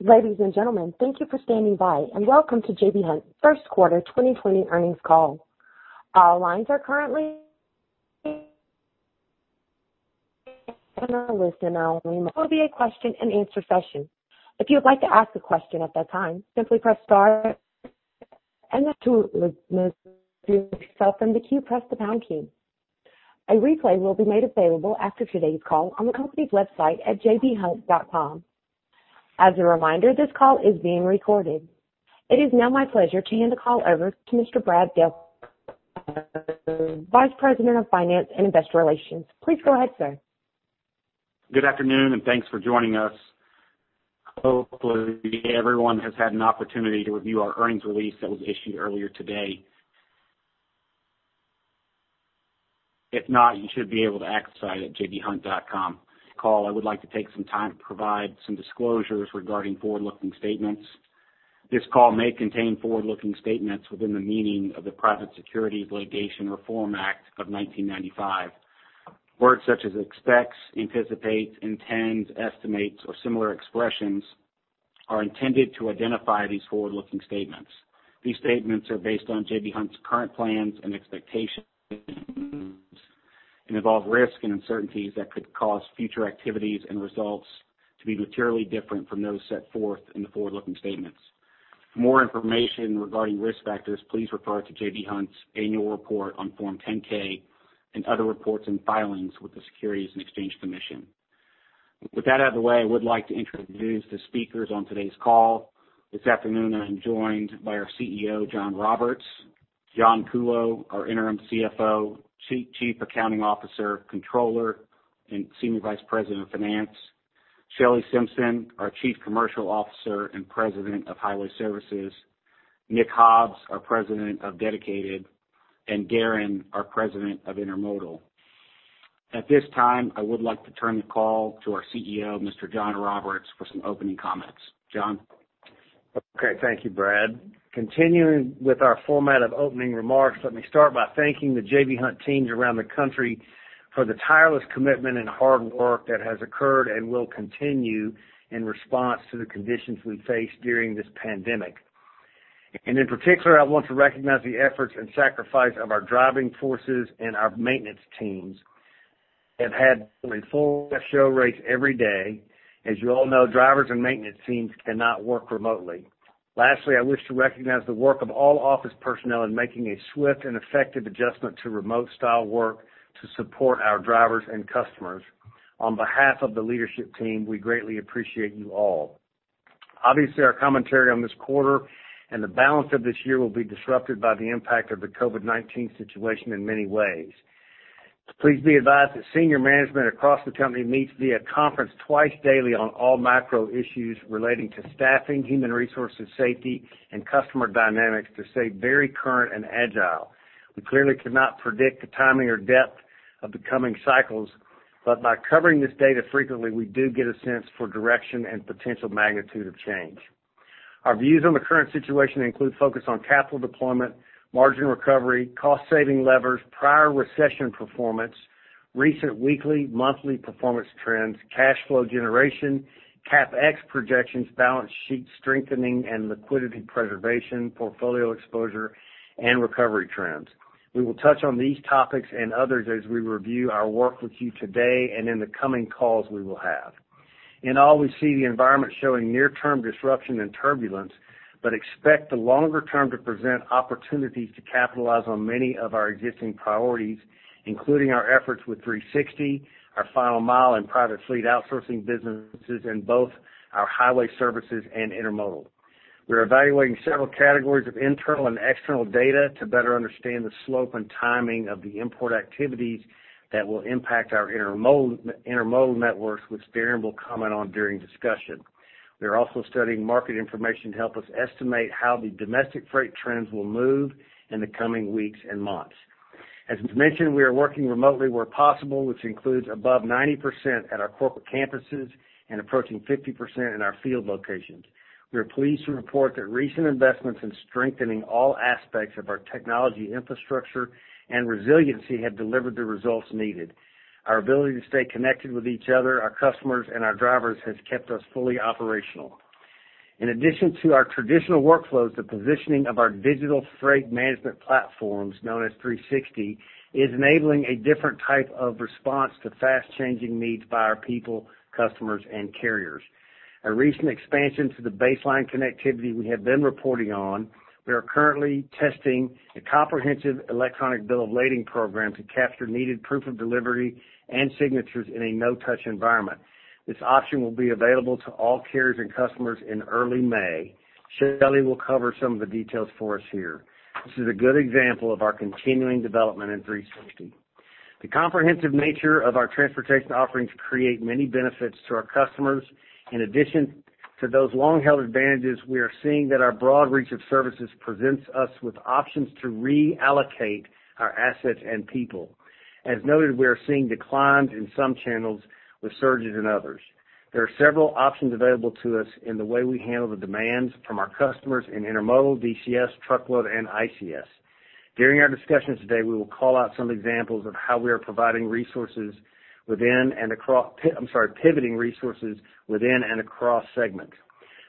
Ladies and gentlemen, thank you for standing by, and welcome to J.B. Hunt first quarter 2020 earnings call. All lines are currently there will be a question-and-answer session. If you would like to ask a question at that time, simply press star and to remove yourself from the queue, press the pound key. A replay will be made available after today's call on the company's website at jbhunt.com. As a reminder, this call is being recorded. It is now my pleasure to hand the call over to Mr. Brad Delco, Vice President of Finance and Investor Relations. Please go ahead, sir. Good afternoon, and thanks for joining us. Hopefully everyone has had an opportunity to review our earnings release that was issued earlier today. If not, you should be able to access it at jbhunt.com. Call, I would like to take some time to provide some disclosures regarding forward-looking statements. This call may contain forward-looking statements within the meaning of the Private Securities Litigation Reform Act of 1995. Words such as expects, anticipates, intends, estimates, or similar expressions are intended to identify these forward-looking statements. These statements are based on J.B. Hunt's current plans and expectations and involve risks and uncertainties that could cause future activities and results to be materially different from those set forth in the forward-looking statements. For more information regarding risk factors, please refer to J.B. Hunt's Annual Report on Form 10-K and other reports and filings with the Securities and Exchange Commission. With that out of the way, I would like to introduce the speakers on today's call. This afternoon, I am joined by our CEO, John Roberts, John Kuhlow, our Interim CFO, Chief Accounting Officer, Controller, and Senior Vice President of Finance, Shelley Simpson, our Chief Commercial Officer and President of Highway Services, Nick Hobbs, our President of Dedicated, and Darren, our President of Intermodal. At this time, I would like to turn the call to our CEO, Mr. John Roberts, for some opening comments. John? Okay. Thank you, Brad. Continuing with our format of opening remarks, let me start by thanking the J.B. Hunt teams around the country for the tireless commitment and hard work that has occurred and will continue in response to the conditions we face during this pandemic. In particular, I want to recognize the efforts and sacrifice of our driving forces and our maintenance teams. They've had a full show race every day. As you all know, drivers and maintenance teams cannot work remotely. Lastly, I wish to recognize the work of all office personnel in making a swift and effective adjustment to remote style work to support our drivers and customers. On behalf of the leadership team, we greatly appreciate you all. Obviously, our commentary on this quarter and the balance of this year will be disrupted by the impact of the COVID-19 situation in many ways. Please be advised that senior management across the company meets via conference twice daily on all macro issues relating to staffing, human resources, safety, and customer dynamics to stay very current and agile. We clearly cannot predict the timing or depth of the coming cycles, but by covering this data frequently, we do get a sense for direction and potential magnitude of change. Our views on the current situation include focus on capital deployment, margin recovery, cost-saving levers, prior recession performance, recent weekly, monthly performance trends, cash flow generation, CapEx projections, balance sheet strengthening, and liquidity preservation, portfolio exposure, and recovery trends. We will touch on these topics and others as we review our work with you today and in the coming calls we will have. In all, we see the environment showing near-term disruption and turbulence, but expect the longer term to present opportunities to capitalize on many of our existing priorities, including our efforts with 360, our Final Mile and private fleet outsourcing businesses in both our Highway Services and Intermodal. We're evaluating several categories of internal and external data to better understand the slope and timing of the import activities that will impact our Intermodal networks, which Darren will comment on during discussion. We are also studying market information to help us estimate how the domestic freight trends will move in the coming weeks and months. As mentioned, we are working remotely where possible, which includes above 90% at our corporate campuses and approaching 50% in our field locations. We are pleased to report that recent investments in strengthening all aspects of our technology infrastructure and resiliency have delivered the results needed. Our ability to stay connected with each other, our customers, and our drivers has kept us fully operational. In addition to our traditional workflows, the positioning of our digital freight management platforms, known as 360, is enabling a different type of response to fast-changing needs by our people, customers, and carriers. A recent expansion to the baseline connectivity we have been reporting on, we are currently testing a comprehensive electronic bill of lading program to capture needed proof of delivery and signatures in a no-touch environment. This option will be available to all carriers and customers in early May. Shelley will cover some of the details for us here. This is a good example of our continuing development in 360. The comprehensive nature of our transportation offerings create many benefits to our customers. In addition to those long-held advantages, we are seeing that our broad reach of services presents us with options to reallocate our assets and people. As noted, we are seeing declines in some channels with surges in others. There are several options available to us in the way we handle the demands from our customers in Intermodal, DCS, Truckload, and ICS. During our discussion today, we will call out some examples of how we are pivoting resources within and across segments.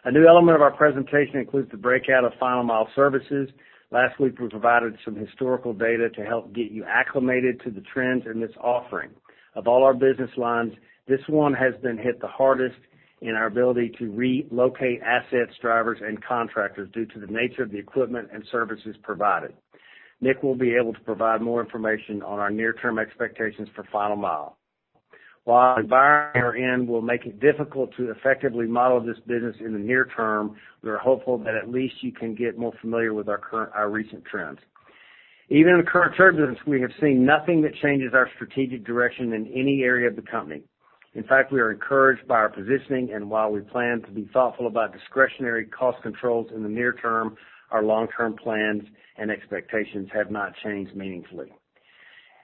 A new element of our presentation includes the breakout of Final Mile Services. Last week, we provided some historical data to help get you acclimated to the trends in this offering. Of all our business lines, this one has been hit the hardest in our ability to relocate assets, drivers, and contractors due to the nature of the equipment and services provided. Nick will be able to provide more information on our near-term expectations for Final Mile. While the environment we're in will make it difficult to effectively model this business in the near-term, we are hopeful that at least you can get more familiar with our recent trends. Even in the current turbulence, we have seen nothing that changes our strategic direction in any area of the company. We are encouraged by our positioning, and while we plan to be thoughtful about discretionary cost controls in the near-term, our long-term plans and expectations have not changed meaningfully.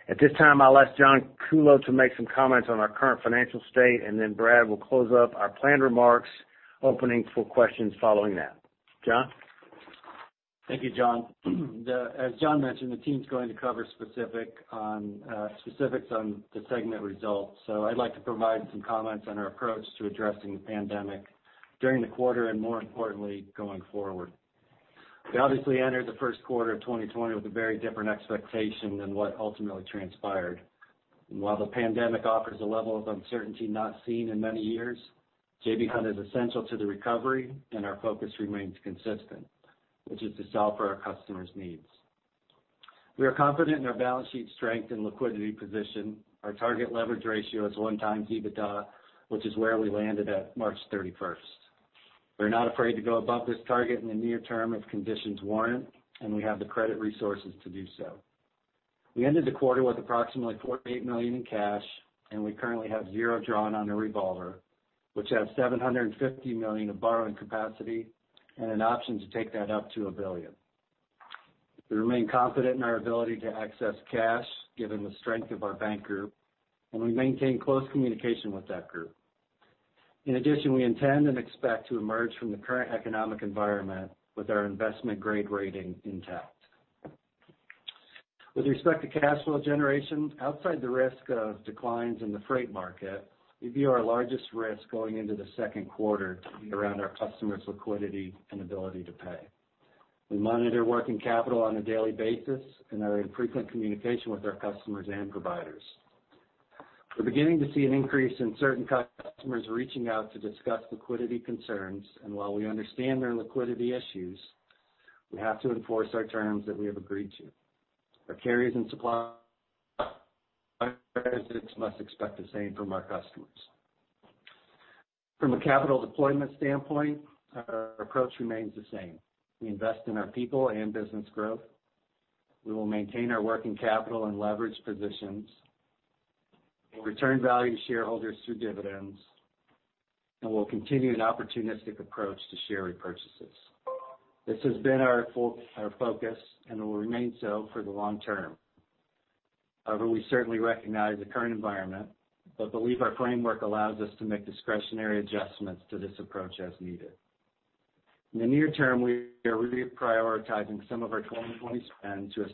At this time, I'll ask John Kuhlow to make some comments on our current financial state, and then Brad will close up our planned remarks, opening for questions following that. John? Thank you, John. As John mentioned, the team's going to cover specifics on the segment results. I'd like to provide some comments on our approach to addressing the pandemic during the quarter and more importantly, going forward. We obviously entered the first quarter of 2020 with a very different expectation than what ultimately transpired. While the pandemic offers a level of uncertainty not seen in many years, J.B. Hunt is essential to the recovery and our focus remains consistent, which is to solve for our customers' needs. We are confident in our balance sheet strength and liquidity position. Our target leverage ratio is one times EBITDA, which is where we landed at March 31st. We are not afraid to go above this target in the near-term if conditions warrant, and we have the credit resources to do so. We ended the quarter with approximately $48 million in cash, and we currently have $0 drawn on the revolver, which has $750 million of borrowing capacity and an option to take that up to $1 billion. We remain confident in our ability to access cash given the strength of our bank group, and we maintain close communication with that group. In addition, we intend and expect to emerge from the current economic environment with our investment-grade rating intact. With respect to cash flow generation, outside the risk of declines in the freight market, we view our largest risk going into the second quarter to be around our customers' liquidity and ability to pay. We monitor working capital on a daily basis and are in frequent communication with our customers and providers. We're beginning to see an increase in certain customers reaching out to discuss liquidity concerns, and while we understand their liquidity issues, we have to enforce our terms that we have agreed to. Our carriers and suppliers must expect the same from our customers. From a capital deployment standpoint, our approach remains the same. We invest in our people and business growth. We will maintain our working capital and leverage positions. We'll return value to shareholders through dividends, and we'll continue an opportunistic approach to share repurchases. This has been our focus and will remain so for the long-term. However, we certainly recognize the current environment, but believe our framework allows us to make discretionary adjustments to this approach as needed. In the near-term, we are reprioritizing some of our 2020 spend to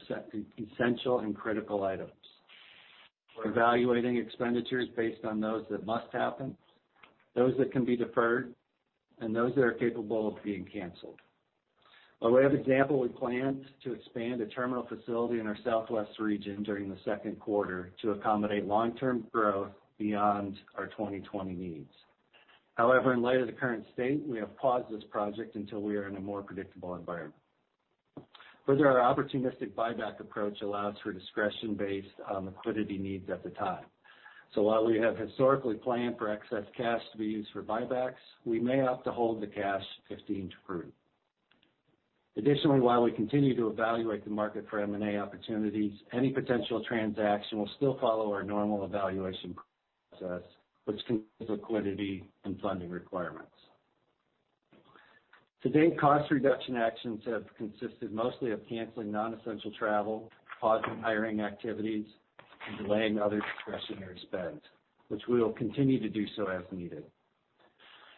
essential and critical items. We're evaluating expenditures based on those that must happen, those that can be deferred, and those that are capable of being canceled. By way of example, we planned to expand a terminal facility in our southwest region during the second quarter to accommodate long-term growth beyond our 2020 needs. In light of the current state, we have paused this project until we are in a more predictable environment. Our opportunistic buyback approach allows for discretion based on liquidity needs at the time. While we have historically planned for excess cash to be used for buybacks, we may opt to hold the cash if deemed prudent. While we continue to evaluate the market for M&A opportunities, any potential transaction will still follow our normal evaluation process, which considers liquidity and funding requirements. To date, cost reduction actions have consisted mostly of canceling non-essential travel, pausing hiring activities, and delaying other discretionary spends, which we will continue to do so as needed.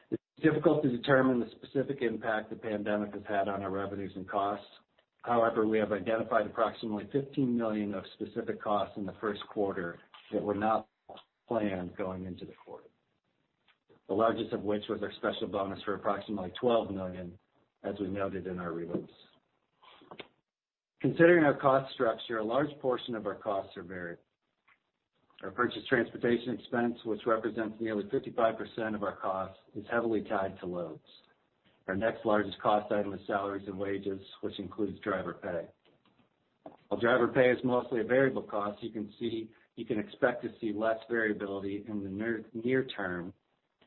It's difficult to determine the specific impact the pandemic has had on our revenues and costs. However, we have identified approximately $15 million of specific costs in the first quarter that were not planned going into the quarter. The largest of which was our special bonus for approximately $12 million, as we noted in our release. Considering our cost structure, a large portion of our costs are varied. Our purchased transportation expense, which represents nearly 55% of our costs, is heavily tied to loads. Our next largest cost item is salaries and wages, which includes driver pay. While driver pay is mostly a variable cost, you can expect to see less variability in the near-term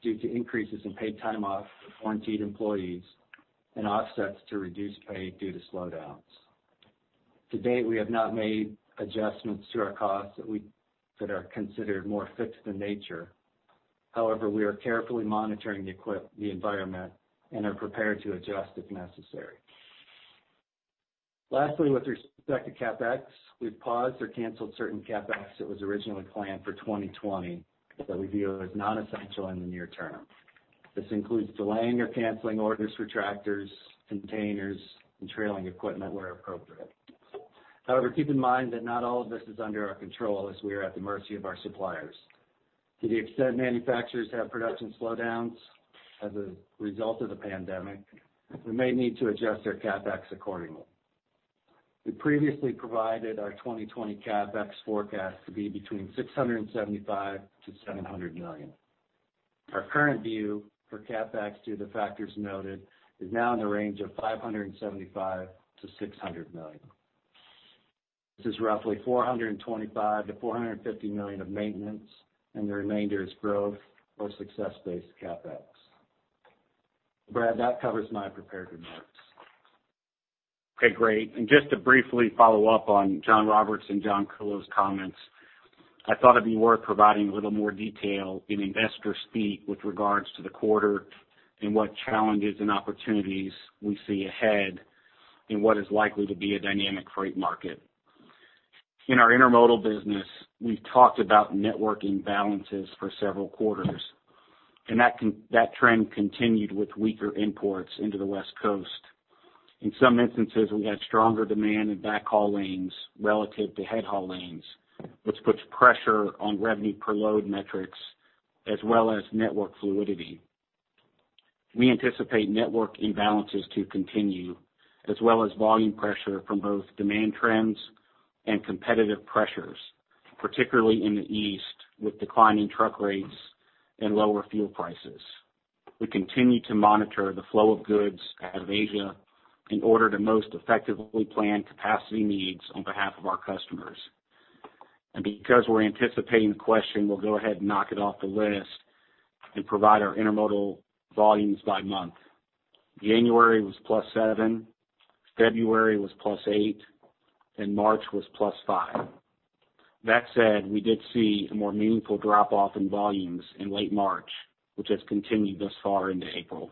due to increases in paid time off for quarantined employees and offsets to reduced pay due to slowdowns. To date, we have not made adjustments to our costs that are considered more fixed in nature. However, we are carefully monitoring the environment and are prepared to adjust if necessary. Lastly, with respect to CapEx, we've paused or canceled certain CapEx that was originally planned for 2020 that we view as non-essential in the near-term. This includes delaying or canceling orders for tractors, containers, and trailing equipment where appropriate. However, keep in mind that not all of this is under our control as we are at the mercy of our suppliers. To the extent manufacturers have production slowdowns as a result of the pandemic, we may need to adjust our CapEx accordingly. We previously provided our 2020 CapEx forecast to be between $675 million-$700 million. Our current view for CapEx due to factors noted is now in the range of $575 million-$600 million. This is roughly $425 million-$450 million of maintenance, and the remainder is growth or success-based CapEx. Brad, that covers my prepared remarks. Okay, great. Just to briefly follow-up on John Roberts and John Kuhlow's comments, I thought it would be worth providing a little more detail in investor speak with regards to the quarter and what challenges and opportunities we see ahead in what is likely to be a dynamic freight market. In our Intermodal business, we've talked about network imbalances for several quarters, and that trend continued with weaker imports into the West Coast. In some instances, we had stronger demand in backhaul lanes relative to headhaul lanes, which puts pressure on revenue per load metrics as well as network fluidity. We anticipate network imbalances to continue, as well as volume pressure from both demand trends and competitive pressures, particularly in the East, with declining truck rates and lower fuel prices. We continue to monitor the flow of goods out of Asia in order to most effectively plan capacity needs on behalf of our customers. Because we're anticipating the question, we'll go ahead and knock it off the list and provide our Intermodal volumes by month. January was plus seven, February was plus eight, and March was plus five. We did see a more meaningful drop-off in volumes in late March, which has continued thus far into April.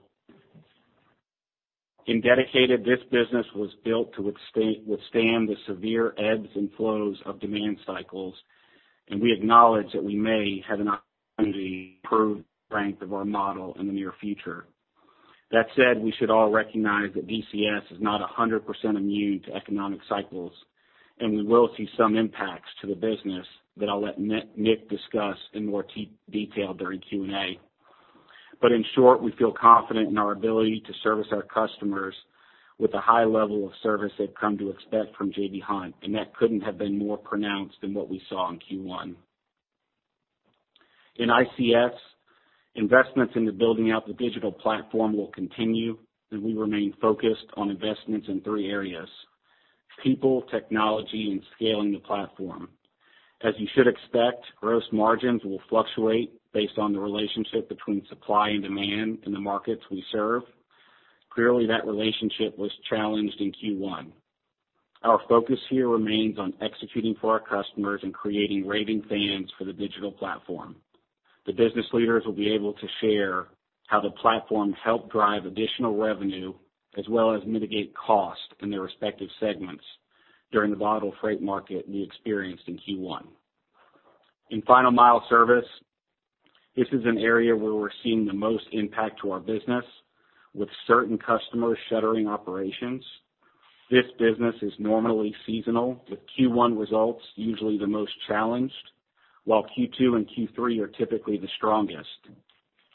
In Dedicated, this business was built to withstand the severe ebbs and flows of demand cycles, and we acknowledge that we may have an opportunity to prove the strength of our model in the near future. We should all recognize that DCS is not 100% immune to economic cycles, and we will see some impacts to the business that I'll let Nick discuss in more detail during Q&A. In short, we feel confident in our ability to service our customers with the high level of service they've come to expect from J.B. Hunt, and that couldn't have been more pronounced than what we saw in Q1. In ICS, investments into building out the digital platform will continue, and we remain focused on investments in three areas, people, technology, and scaling the platform. As you should expect, gross margins will fluctuate based on the relationship between supply and demand in the markets we serve. Clearly, that relationship was challenged in Q1. Our focus here remains on executing for our customers and creating raving fans for the digital platform. The business leaders will be able to share how the platform helped drive additional revenue as well as mitigate cost in their respective segments during the volatile freight market we experienced in Q1. In Final Mile Service, this is an area where we're seeing the most impact to our business, with certain customers shuttering operations. This business is normally seasonal, with Q1 results usually the most challenged, while Q2 and Q3 are typically the strongest.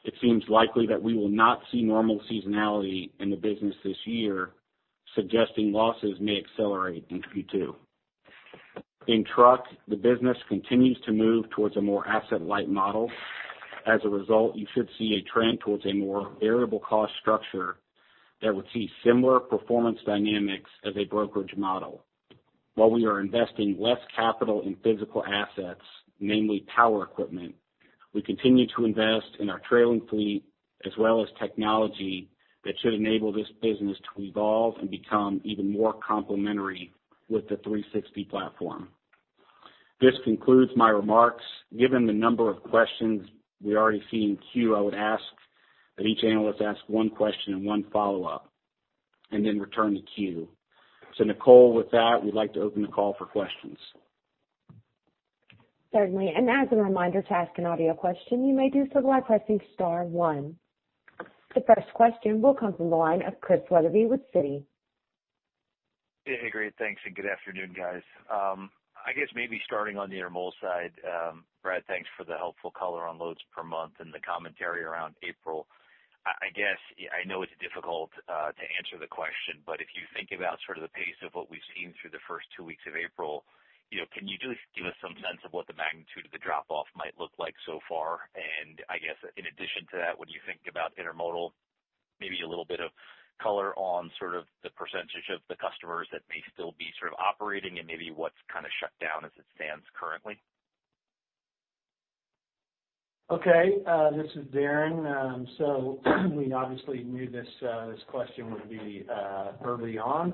It seems likely that we will not see normal seasonality in the business this year, suggesting losses may accelerate into Q2. In truck, the business continues to move towards a more asset-light model. As a result, you should see a trend towards a more variable cost structure that would see similar performance dynamics as a brokerage model. While we are investing less capital in physical assets, namely power equipment, we continue to invest in our trailing fleet as well as technology that should enable this business to evolve and become even more complementary with the 360 platform. This concludes my remarks. Given the number of questions we already see in queue, I would ask that each analyst ask one question and one follow-up, and then return to queue. Nicole, with that, we'd like to open the call for questions. Certainly. As a reminder, to ask an audio question, you may do so by pressing star one. The first question will come from the line of Chris Wetherbee with Citi. Hey, great. Thanks, and good afternoon, guys. I guess maybe starting on the Intermodal side. Brad, thanks for the helpful color on loads per month and the commentary around April. I know it's difficult to answer the question, but if you think about sort of the pace of what we've seen through the first two weeks of April, can you just give us some sense of what the magnitude of the drop-off might look like so far? I guess in addition to that, when you think about Intermodal, maybe a little bit of color on sort of the percentage of the customers that may still be sort of operating and maybe what's kind of shut down as it stands currently. Okay. This is Darren. We obviously knew this question would be early on.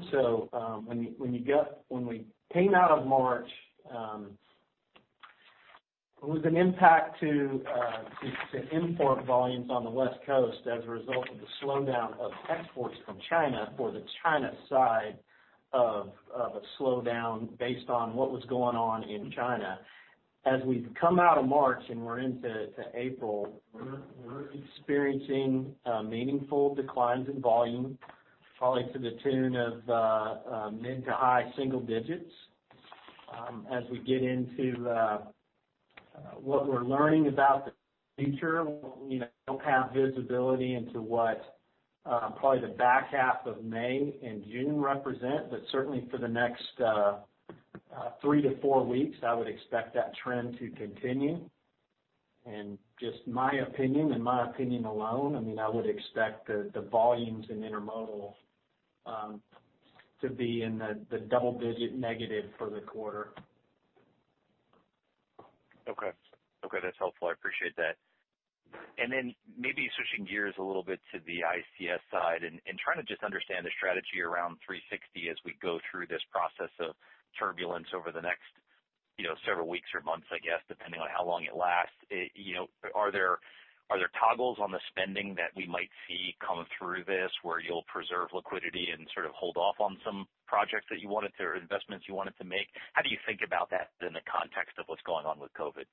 When we came out of March, it was an impact to import volumes on the West Coast as a result of the slowdown of exports from China for the China side of a slowdown based on what was going on in China. As we've come out of March and we're into April, we're experiencing meaningful declines in volume, probably to the tune of mid to high single-digits. As we get into what we're learning about the future, we don't have visibility into what probably the back half of May and June represent, but certainly for the next three to four weeks, I would expect that trend to continue. Just my opinion and my opinion alone, I would expect the volumes in Intermodal to be in the double-digit negative for the quarter. Okay. That's helpful. I appreciate that. Maybe switching gears a little bit to the ICS side and trying to just understand the strategy around 360 as we go through this process of turbulence over the next several weeks or months, I guess, depending on how long it lasts. Are there toggles on the spending that we might see coming through this where you'll preserve liquidity and sort of hold off on some projects that you wanted to, or investments you wanted to make? How do you think about that in the context of what's going on with COVID?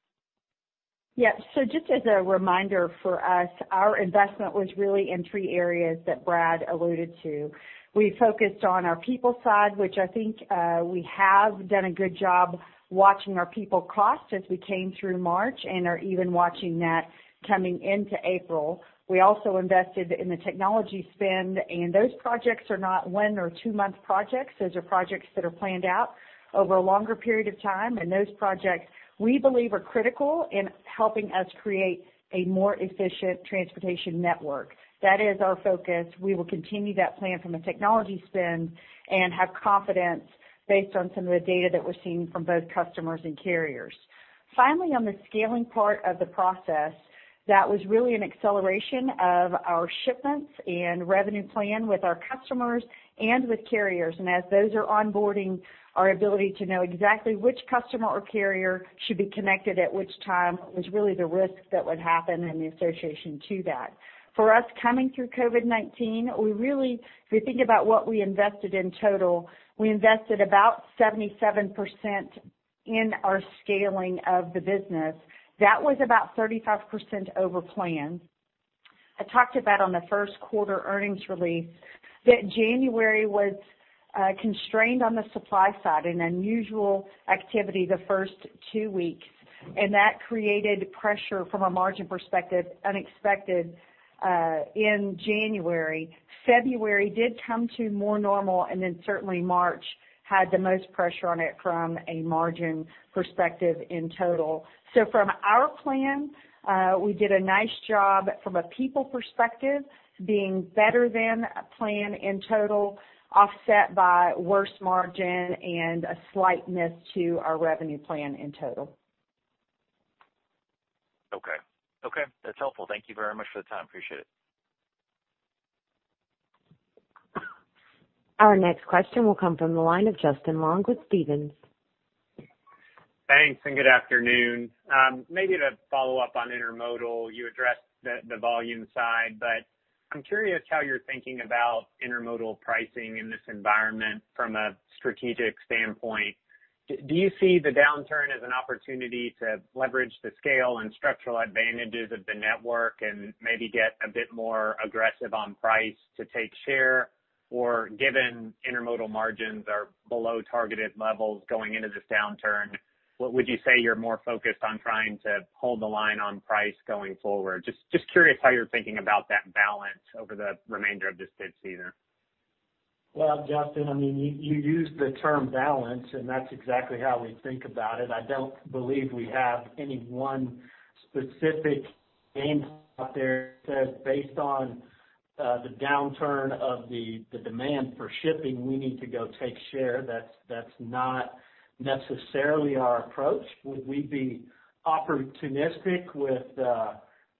Just as a reminder for us, our investment was really in three areas that Brad alluded to. We focused on our people side, which I think we have done a good job watching our people cost as we came through March and are even watching that coming into April. We also invested in the technology spend, those projects are not one or two-month projects. Those are projects that are planned out over a longer period of time, those projects, we believe, are critical in helping us create a more efficient transportation network. That is our focus. We will continue that plan from a technology spend and have confidence based on some of the data that we're seeing from both customers and carriers. Finally, on the scaling part of the process, that was really an acceleration of our shipments and revenue plan with our customers and with carriers. As those are onboarding, our ability to know exactly which customer or carrier should be connected at which time was really the risk that would happen and the association to that. For us coming through COVID-19, if we think about what we invested in total, we invested about 77% in our scaling of the business. That was about 35% over plan. I talked about on the first quarter earnings release that January was constrained on the supply side and unusual activity the first two weeks, and that created pressure from a margin perspective, unexpected, in January. February did come to more normal, certainly March had the most pressure on it from a margin perspective in total. From our plan, we did a nice job from a people perspective, being better than plan in total, offset by worse margin and a slight miss to our revenue plan in total. Okay. That's helpful. Thank you very much for the time. Appreciate it. Our next question will come from the line of Justin Long with Stephens. Thanks. Good afternoon. Maybe to follow-up on Intermodal, you addressed the volume side, but I'm curious how you're thinking about Intermodal pricing in this environment from a strategic standpoint. Do you see the downturn as an opportunity to leverage the scale and structural advantages of the network and maybe get a bit more aggressive on price to take share? Given Intermodal margins are below targeted levels going into this downturn, what would you say you're more focused on trying to hold the line on price going forward? Just curious how you're thinking about that balance over the remainder of this pitch season. Well, Justin, you used the term balance, and that's exactly how we think about it. I don't believe we have any one specific game out there that says based on the downturn of the demand for shipping, we need to go take share. That's not necessarily our approach. Would we be opportunistic with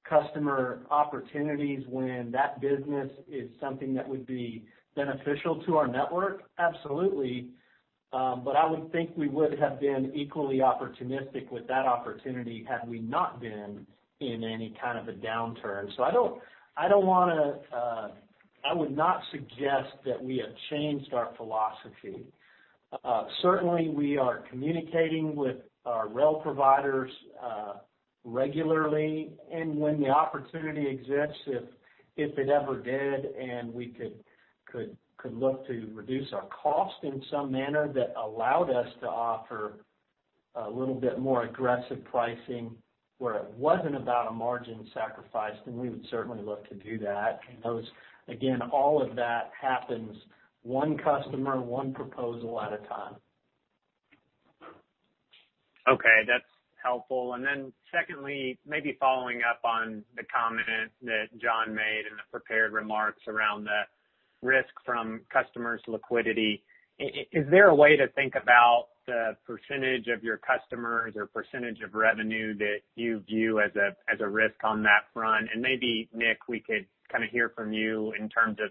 customer opportunities when that business is something that would be beneficial to our network? Absolutely. I would think we would have been equally opportunistic with that opportunity had we not been in any kind of a downturn. I would not suggest that we have changed our philosophy. Certainly, we are communicating with our rail providers regularly, and when the opportunity exists, if it ever did, and we could look to reduce our cost in some manner that allowed us to offer a little bit more aggressive pricing where it wasn't about a margin sacrifice, then we would certainly look to do that. Those, again, all of that happens one customer, one proposal at a time. Okay. That's helpful. Secondly, maybe following up on the comment that John made in the prepared remarks around the risk from customers' liquidity. Is there a way to think about the % of your customers or % of revenue that you view as a risk on that front? Maybe, Nick, we could hear from you in terms of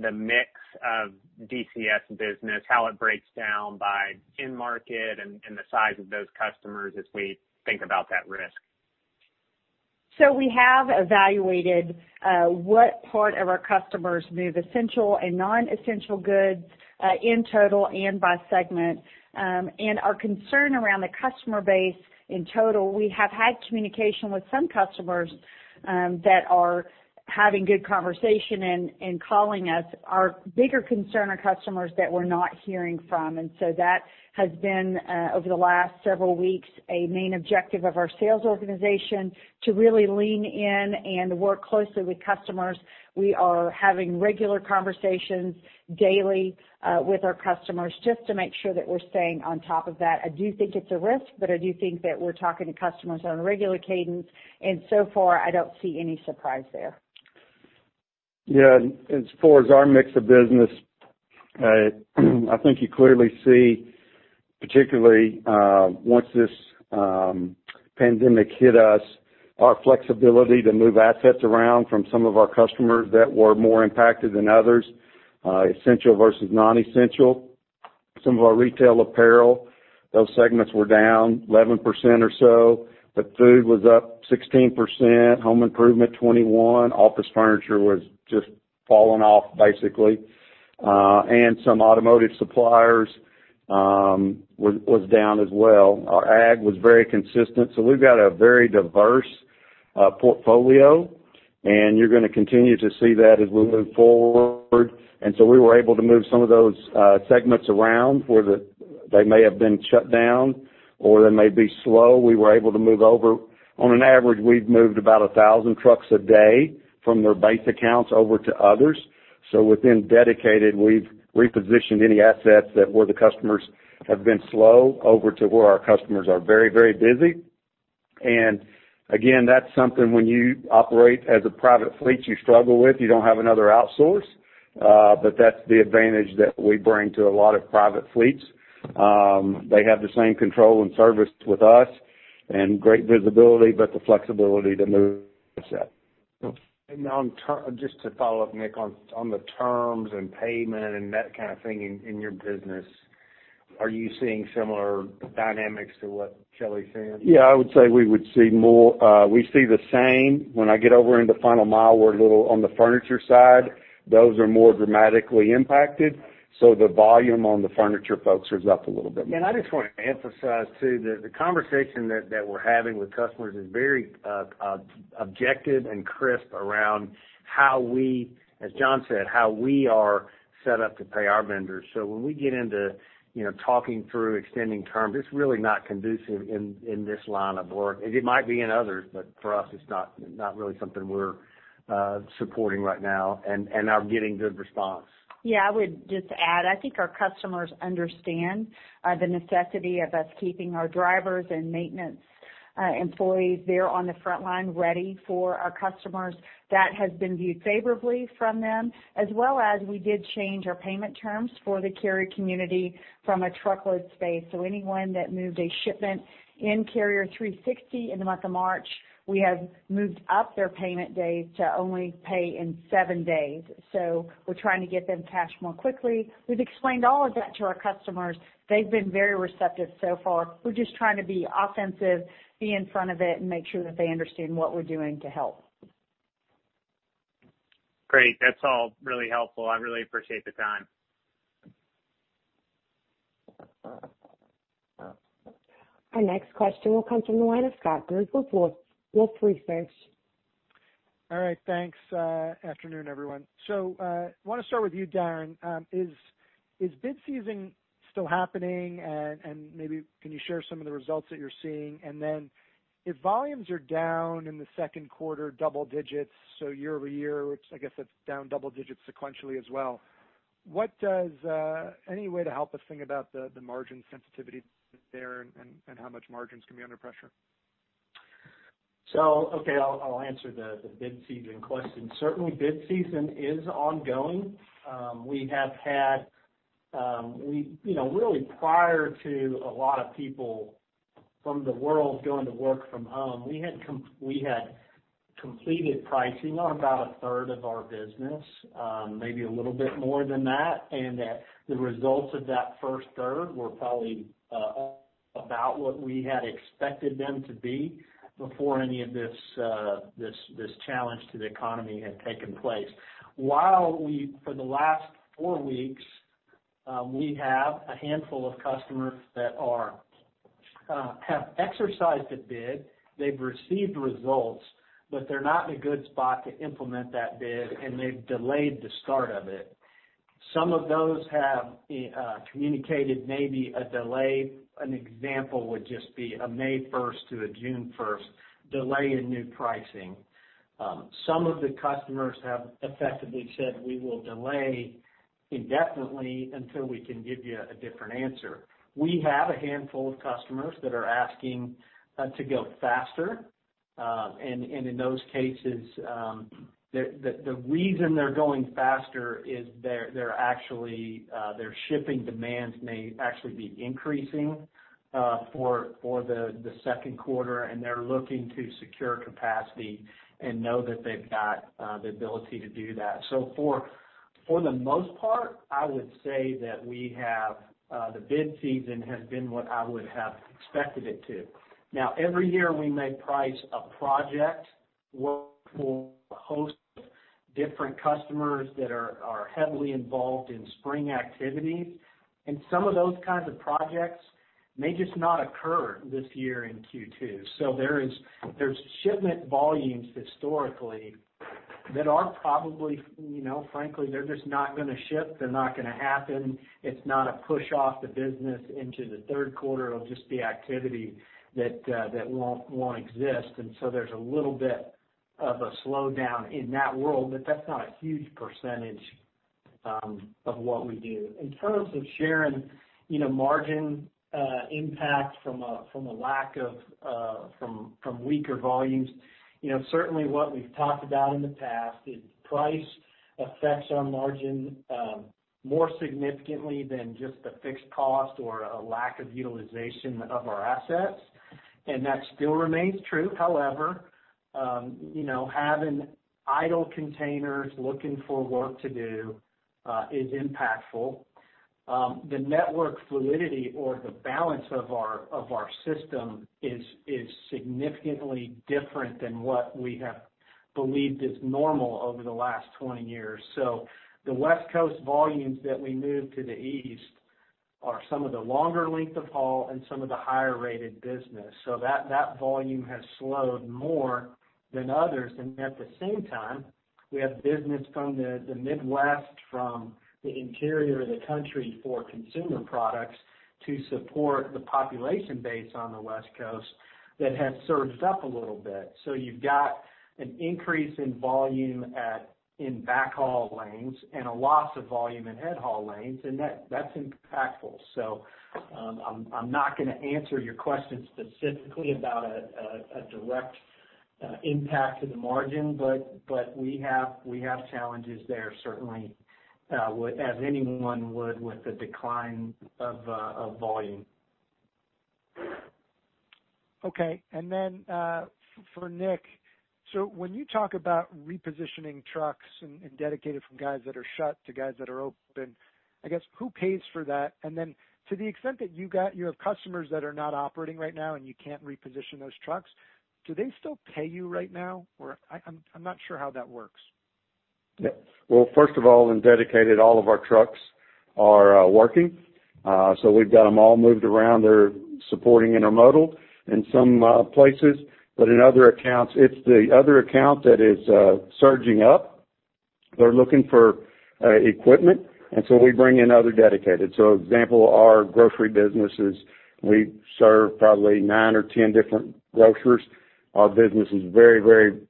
the mix of DCS business, how it breaks down by end market and the size of those customers as we think about that risk. We have evaluated what part of our customers move essential and non-essential goods, in total and by segment. Our concern around the customer base in total, we have had communication with some customers that are having good conversation and calling us. Our bigger concern are customers that we're not hearing from. That has been, over the last several weeks, a main objective of our sales organization to really lean in and work closely with customers. We are having regular conversations daily with our customers just to make sure that we're staying on top of that. I do think it's a risk, but I do think that we're talking to customers on a regular cadence, and so far, I don't see any surprise there. Yeah. As far as our mix of business, I think you clearly see, particularly once this pandemic hit us, our flexibility to move assets around from some of our customers that were more impacted than others, essential versus non-essential. Some of our retail apparel, those segments were down 11% or so, but food was up 16%, home improvement 21%, office furniture was just falling off, basically. Some automotive suppliers was down as well. Our ag was very consistent. We've got a very diverse portfolio, and you're going to continue to see that as we move forward. We were able to move some of those segments around, where they may have been shut down or they may be slow, we were able to move over. On an average, we've moved about 1,000 trucks a day from their base accounts over to others. Within Dedicated, we've repositioned any assets that where the customers have been slow over to where our customers are very busy. Again, that's something when you operate as a private fleet, you struggle with. You don't have another outsource. That's the advantage that we bring to a lot of private fleets. They have the same control and service with us and great visibility, but the flexibility to move set. Just to follow up, Nick, on the terms and payment and that kind of thing in your business, are you seeing similar dynamics to what Shelley's seeing? Yeah, I would say we see the same. When I get over into Final Mile, we're a little on the furniture side. Those are more dramatically impacted. The volume on the furniture folks is up a little bit more. I just want to emphasize, too, that the conversation that we're having with customers is very objective and crisp around how we, as John said, how we are set up to pay our vendors. When we get into talking through extending terms, it's really not conducive in this line of work. It might be in others, but for us, it's not really something we're supporting right now and are getting good response. Yeah, I would just add, I think our customers understand the necessity of us keeping our drivers and maintenance employees there on the front line ready for our customers. That has been viewed favorably from them, as well as we did change our payment terms for the carrier community from a truckload space. Anyone that moved a shipment in Carrier 360 in the month of March, we have moved up their payment days to only pay in seven days. We're trying to get them cash more quickly. We've explained all of that to our customers. They've been very receptive so far. We're just trying to be offensive, be in front of it and make sure that they understand what we're doing to help. Great. That's all really helpful. I really appreciate the time. Our next question will come from the line of Scott Group with Wolfe Research. All right, thanks. Afternoon, everyone. Want to start with you, Darren. Is bid season still happening? Maybe can you share some of the results that you're seeing? If volumes are down in the second quarter double digits, so year-over-year, which I guess that's down double digits sequentially as well, any way to help us think about the margin sensitivity there and how much margins can be under pressure? Okay, I'll answer the bid season question. Certainly, bid season is ongoing. Really prior to a lot of people from the world going to work-from-home, we had completed pricing on about a third of our business, maybe a little bit more than that. The results of that first third were probably about what we had expected them to be before any of this challenge to the economy had taken place. While for the last four weeks, we have a handful of customers that have exercised a bid, they've received results, but they're not in a good spot to implement that bid, and they've delayed the start of it. Some of those have communicated maybe a delay. An example would just be a May 1st to a June 1st delay in new pricing. Some of the customers have effectively said, We will delay indefinitely until we can give you a different answer. We have a handful of customers that are asking to go faster. In those cases, the reason they're going faster is their shipping demands may actually be increasing for the second quarter, and they're looking to secure capacity and know that they've got the ability to do that. For the most part, I would say that the bid season has been what I would have expected it to. Now, every year we may price a project where we'll host different customers that are heavily involved in spring activities. Some of those kinds of projects may just not occur this year in Q2. There's shipment volumes historically that are probably, frankly, they're just not going to ship. They're not going to happen. It's not a push off the business into the third quarter. It'll just be activity that won't exist. There's a little bit of a slowdown in that world, but that's not a huge percentage of what we do. In terms of sharing margin impact from weaker volumes, certainly what we've talked about in the past is price affects our margin more significantly than just a fixed cost or a lack of utilization of our assets. That still remains true. However, having idle containers looking for work to do is impactful. The network fluidity or the balance of our system is significantly different than what we have believed is normal over the last 20 years. The West Coast volumes that we move to the East are some of the longer length of haul and some of the higher rated business. That volume has slowed more than others. At the same time, we have business from the Midwest, from the interior of the country for consumer products to support the population base on the West Coast that has surged up a little bit. You've got an increase in volume in back haul lanes and a loss of volume in head haul lanes, and that's impactful. I'm not going to answer your question specifically about a direct impact to the margin, but we have challenges there, certainly, as anyone would with the decline of volume. For Nick, when you talk about repositioning trucks in Dedicated from guys that are shut to guys that are open, I guess, who pays for that? To the extent that you have customers that are not operating right now and you can't reposition those trucks, do they still pay you right now? I'm not sure how that works. First of all, in Dedicated, all of our trucks are working. We've got them all moved around. They're supporting Intermodal in some places. In other accounts, it's the other account that is surging up. They're looking for equipment, we bring in other Dedicated. Example, our grocery businesses, we serve probably nine or 10 different grocers. Our business is very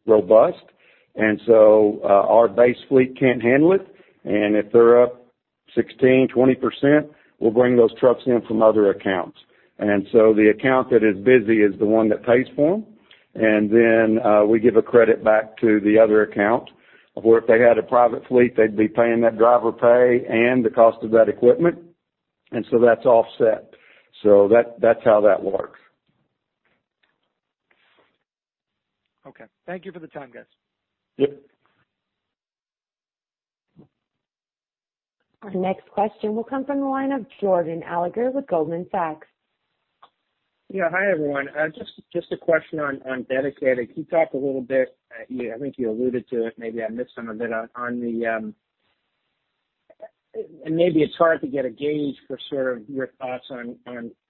robust, our base fleet can't handle it. If they're up 16%, 20%, we'll bring those trucks in from other accounts. The account that is busy is the one that pays for them. Then we give a credit back to the other account, where if they had a private fleet, they'd be paying that driver pay and the cost of that equipment, that's offset. That's how that works. Okay. Thank you for the time, guys. Yep. Our next question will come from the line of Jordan Alliger with Goldman Sachs. Yeah. Hi, everyone. Just a question on Dedicated. Can you talk a little bit, I think you alluded to it, maybe I missed some of it. Maybe it's hard to get a gauge for sort of your thoughts on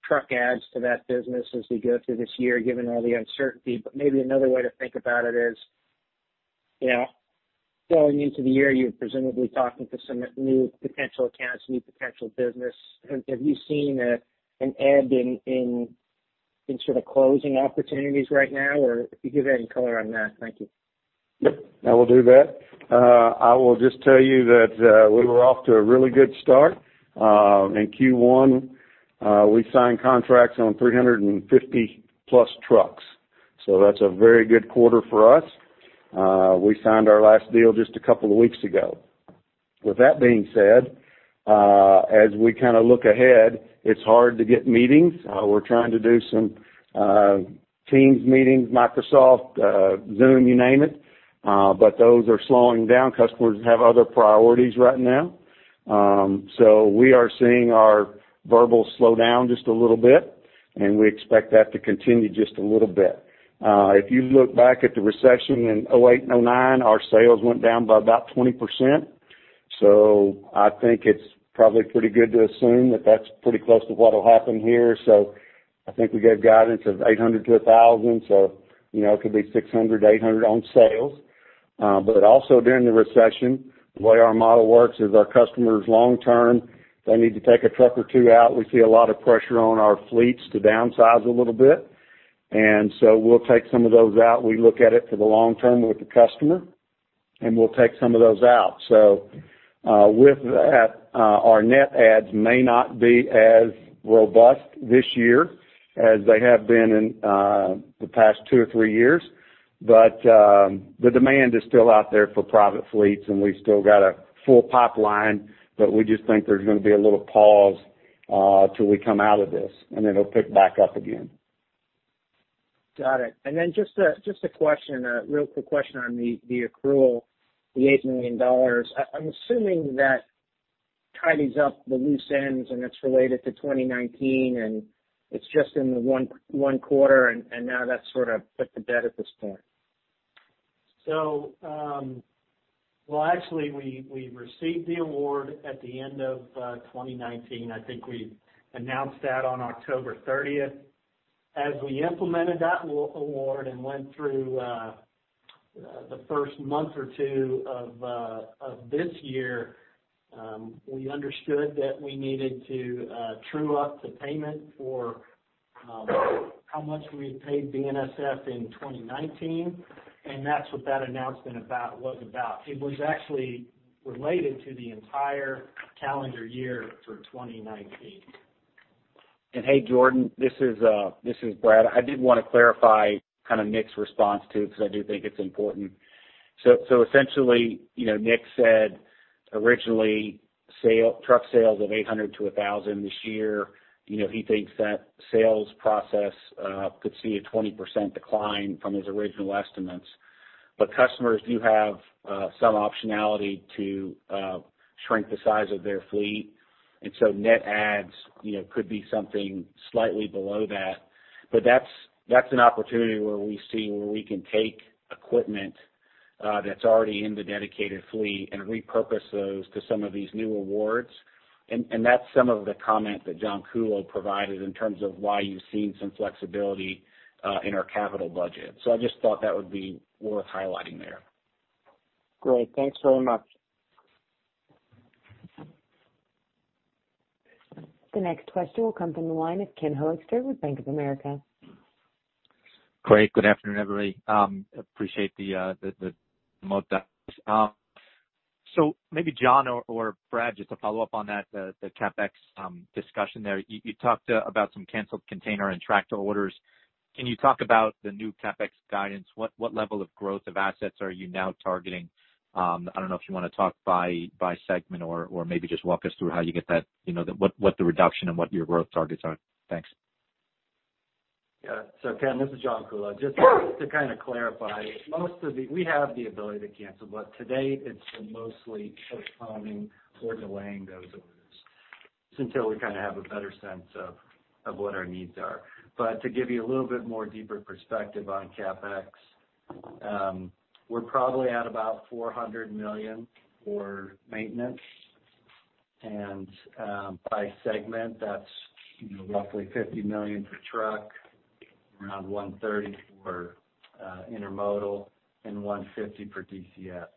truck adds to that business as we go through this year, given all the uncertainty. Maybe another way to think about it is, going into the year, you're presumably talking to some new potential accounts, new potential business. Have you seen an ebb in sort of closing opportunities right now? If you could give any color on that. Thank you. Yep, I will do that. I will just tell you that we were off to a really good start. In Q1, we signed contracts on 350+ trucks. That's a very good quarter for us. We signed our last deal just a couple of weeks ago. With that being said, as we kind of look ahead, it's hard to get meetings. We're trying to do some Teams meetings, Microsoft, Zoom, you name it. Those are slowing down. Customers have other priorities right now. We are seeing our verbal slow down just a little bit, and we expect that to continue just a little bit. If you look back at the recession in 2008 and 2009, our sales went down by about 20%. I think it's probably pretty good to assume that that's pretty close to what will happen here. I think we gave guidance of 800-1,000, it could be 600, 800 on sales. Also during the recession, the way our model works is our customers long-term, they need to take a truck or two out. We see a lot of pressure on our fleets to downsize a little bit. We'll take some of those out. We look at it for the long term with the customer, and we'll take some of those out. With that, our net adds may not be as robust this year as they have been in the past two or three years. The demand is still out there for private fleets, and we've still got a full pipeline, but we just think there's going to be a little pause till we come out of this, and then it'll pick back up again. Got it. Just a real quick question on the accrual, the $8 million. I'm assuming that tidies up the loose ends and it's related to 2019, and it's just in the one quarter, and now that's sort of put to bed at this point. Well, actually, we received the award at the end of 2019. I think we announced that on October 30th. As we implemented that award and went through the first month or two of this year, we understood that we needed to true up the payment for how much we had paid BNSF in 2019, and that's what that announcement was about. It was actually related to the entire calendar year for 2019. Hey, Jordan, this is Brad. I did want to clarify Nick's response, too, because I do think it's important. Essentially, Nick said originally truck sales of 800-1,000 this year. He thinks that sales process could see a 20% decline from his original estimates. Customers do have some optionality to shrink the size of their fleet, net adds could be something slightly below that. That's an opportunity where we see where we can take equipment that's already in the Dedicated fleet and repurpose those to some of these new awards. That's some of the comment that John Kuhlow provided in terms of why you've seen some flexibility in our capital budget. I just thought that would be worth highlighting there. Great. Thanks so much. The next question will come from the line of Ken Hoexter with Bank of America. Great. Good afternoon, everybody. Appreciate the remote dial. Maybe John or Brad, just to follow up on that, the CapEx discussion there. You talked about some canceled container and tractor orders. Can you talk about the new CapEx guidance? What level of growth of assets are you now targeting? I don't know if you want to talk by segment or maybe just walk us through how you get that, what the reduction and what your growth targets are. Thanks. Yeah. Ken, this is John Kuhlow. Just to clarify, we have the ability to cancel, but to date, it's been mostly postponing or delaying those orders just until we have a better sense of what our needs are. To give you a little bit more deeper perspective on CapEx, we're probably at about $400 million for maintenance. By segment, that's roughly $50 million for truck, around $130 million for Intermodal, and $150 million for DCS.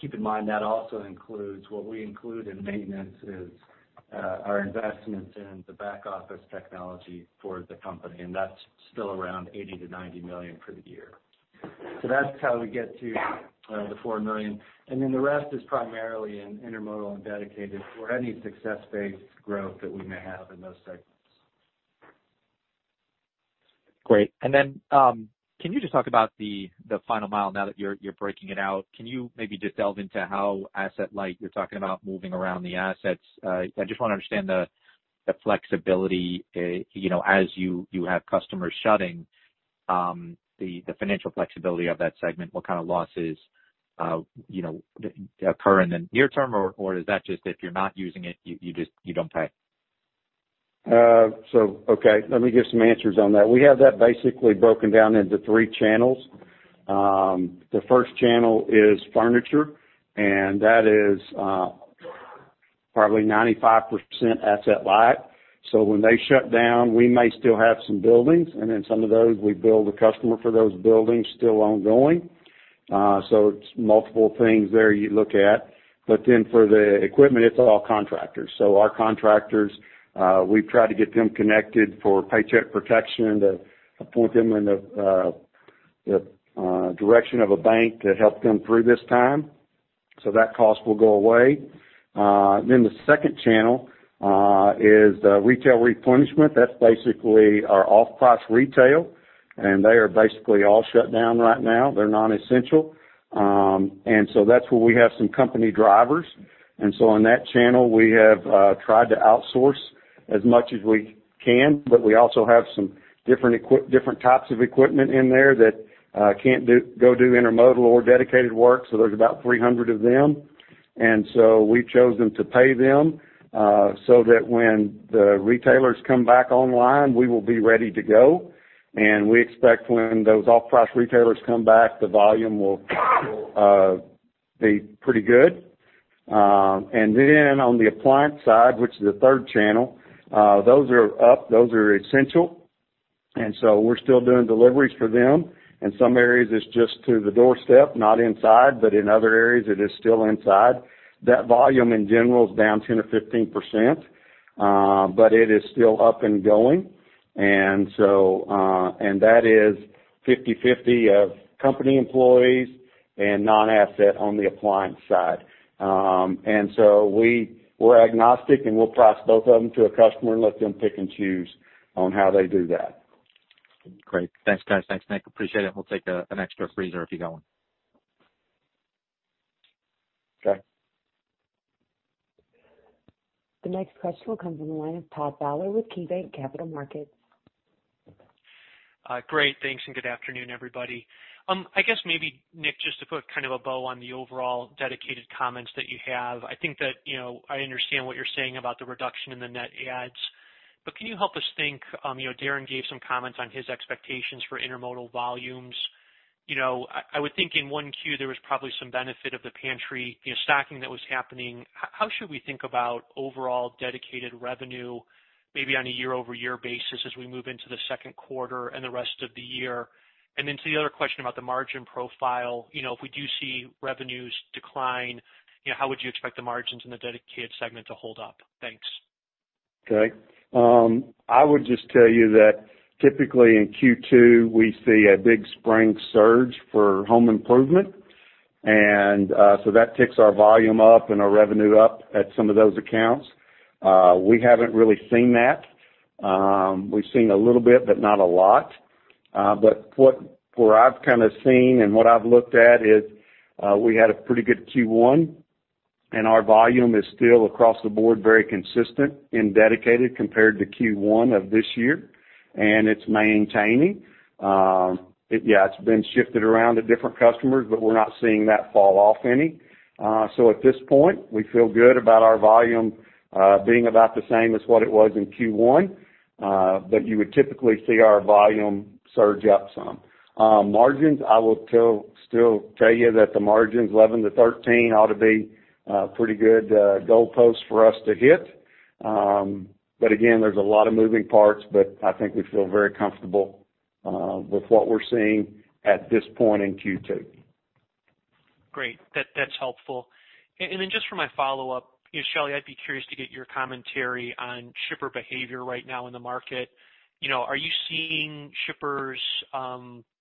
Keep in mind, what we include in maintenance is our investments in the back office technology for the company, and that's still around $80 million-$90 million for the year. That's how we get to the $400 million. The rest is primarily in Intermodal and Dedicated for any success-based growth that we may have in those segments. Great. Then can you just talk about the Final Mile now that you're breaking it out? Can you maybe just delve into how asset light, you're talking about moving around the assets. I just want to understand the flexibility as you have customers shutting, the financial flexibility of that segment. What kind of losses occur in the near-term, or is that just if you're not using it, you don't pay? Okay. Let me give some answers on that. We have that basically broken down into three channels. The first channel is furniture, that is probably 95% asset light. When they shut down, we may still have some buildings, some of those, we build a customer for those buildings still ongoing. It's multiple things there you look at. For the equipment, it's all contractors. Our contractors, we've tried to get them connected for Paycheck Protection to point them in the direction of a bank to help them through this time. That cost will go away. The second channel is retail replenishment. That's basically our off-price retail, they are basically all shut down right now. They're non-essential. That's where we have some company drivers. On that channel, we have tried to outsource as much as we can, but we also have some different types of equipment in there that can't go do Intermodal or Dedicated work, so there's about 300 of them. We've chosen to pay them, so that when the retailers come back online, we will be ready to go. We expect when those off-price retailers come back, the volume will be pretty good. On the appliance side, which is the third channel, those are up, those are essential. We're still doing deliveries for them. In some areas, it's just to the doorstep, not inside, but in other areas, it is still inside. That volume, in general, is down 10%-15%, but it is still up and going. That is 50/50 of company employees and non-asset on the appliance side. We're agnostic, and we'll price both of them to a customer and let them pick and choose on how they do that. Great. Thanks, guys. Thanks, Nick. Appreciate it. We'll take an extra freezer if you got one. Okay. The next question will come from the line of Todd Fowler with KeyBanc Capital Markets. Great. Thanks. Good afternoon, everybody. I guess maybe, Nick, just to put kind of a bow on the overall Dedicated comments that you have, I think that I understand what you're saying about the reduction in the net adds. Can you help us think, Darren gave some comments on his expectations for Intermodal volumes. I would think in 1Q, there was probably some benefit of the pantry stocking that was happening. How should we think about overall Dedicated revenue, maybe on a year-over-year basis as we move into the second quarter and the rest of the year? To the other question about the margin profile, if we do see revenues decline, how would you expect the margins in the Dedicated segment to hold up? Thanks. Okay. I would just tell you that typically in Q2, we see a big spring surge for home improvement. That ticks our volume up and our revenue up at some of those accounts. We haven't really seen that. We've seen a little bit, but not a lot. Where I've seen and what I've looked at is we had a pretty good Q1, and our volume is still across the board very consistent and dedicated compared to Q1 of this year, and it's maintaining. Yeah, it's been shifted around to different customers, but we're not seeing that fall off any. At this point, we feel good about our volume being about the same as what it was in Q1. You would typically see our volume surge up some. Margins, I will still tell you that the margins 11%-13% ought to be a pretty good goalpost for us to hit. Again, there's a lot of moving parts, but I think we feel very comfortable with what we're seeing at this point in Q2. Great. That's helpful. Then just for my follow-up, Shelley, I'd be curious to get your commentary on shipper behavior right now in the market. Are you seeing shippers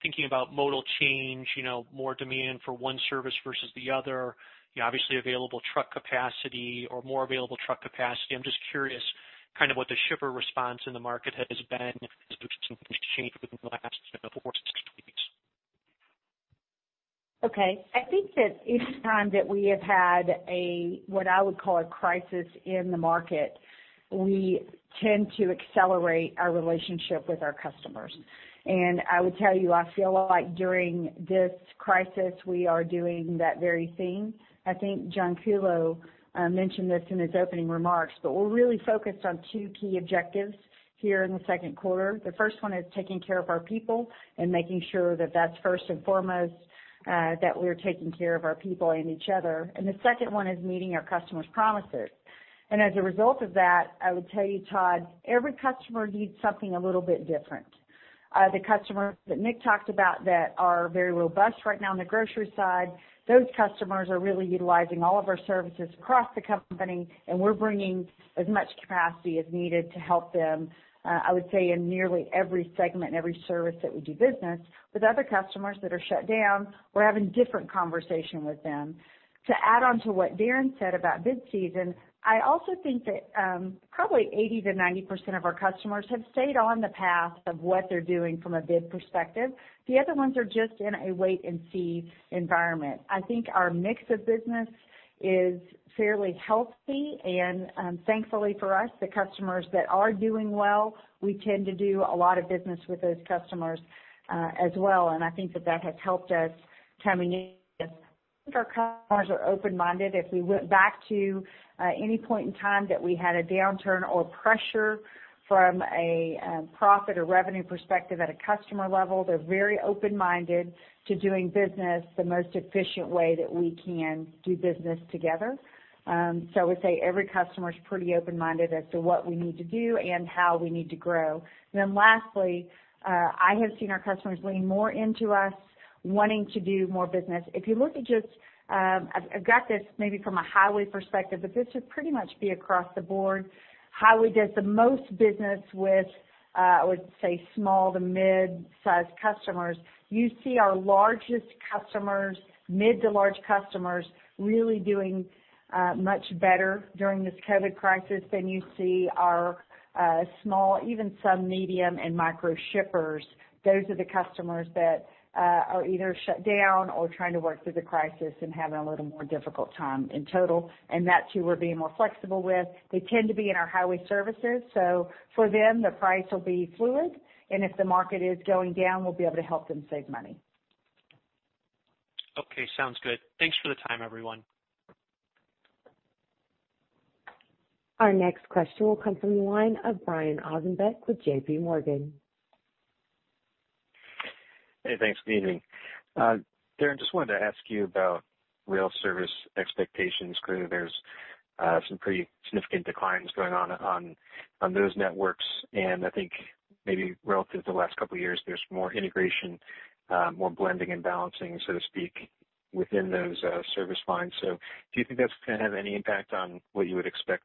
thinking about modal change, more demand for one service versus the other? Obviously, available truck capacity or more available truck capacity, I'm just curious what the shipper response in the market has been as we've seen things change within the last4-6 weeks. Okay. I think that each time that we have had a, what I would call a crisis in the market, we tend to accelerate our relationship with our customers. I would tell you, I feel like during this crisis, we are doing that very thing. I think John Kuhlow mentioned this in his opening remarks. We're really focused on two key objectives here in the second quarter. The first one is taking care of our people and making sure that that's first and foremost, that we are taking care of our people and each other. The second one is meeting our customers' promises. As a result of that, I would tell you, Todd, every customer needs something a little bit different. The customers that Nick talked about that are very robust right now on the grocery side, those customers are really utilizing all of our services across the company, and we're bringing as much capacity as needed to help them, I would say in nearly every segment and every service that we do business. With other customers that are shut down, we're having different conversation with them. To add on to what Darren said about bid season, I also think that probably 80%-90% of our customers have stayed on the path of what they're doing from a bid perspective. The other ones are just in a wait-and-see environment. I think our mix of business is fairly healthy, and thankfully for us, the customers that are doing well, we tend to do a lot of business with those customers as well, and I think that that has helped us coming in. I think our customers are open-minded. If we went back to any point in time that we had a downturn or pressure from a profit or revenue perspective at a customer level, they're very open-minded to doing business the most efficient way that we can do business together. I would say every customer is pretty open-minded as to what we need to do and how we need to grow. Lastly, I have seen our customers lean more into us wanting to do more business. If you look at just, I've got this maybe from a highway perspective, but this would pretty much be across the board. Highway does the most business with, I would say, small to mid-size customers. You see our largest customers, mid to large customers, really doing much better during this COVID-19 crisis than you see our small, even some medium and micro shippers. Those are the customers that are either shut down or trying to work through the crisis and having a little more difficult time in total. That, too, we're being more flexible with. They tend to be in our highway services. For them, the price will be fluid. If the market is going down, we'll be able to help them save money. Okay, sounds good. Thanks for the time, everyone. Our next question will come from the line of Brian Ossenbeck with JPMorgan. Hey, thanks. Good evening. Darren, just wanted to ask you about rail service expectations. Clearly, there's some pretty significant declines going on those networks. I think maybe relative to the last couple of years, there's more integration, more blending and balancing, so to speak, within those service lines. Do you think that's going to have any impact on what you would expect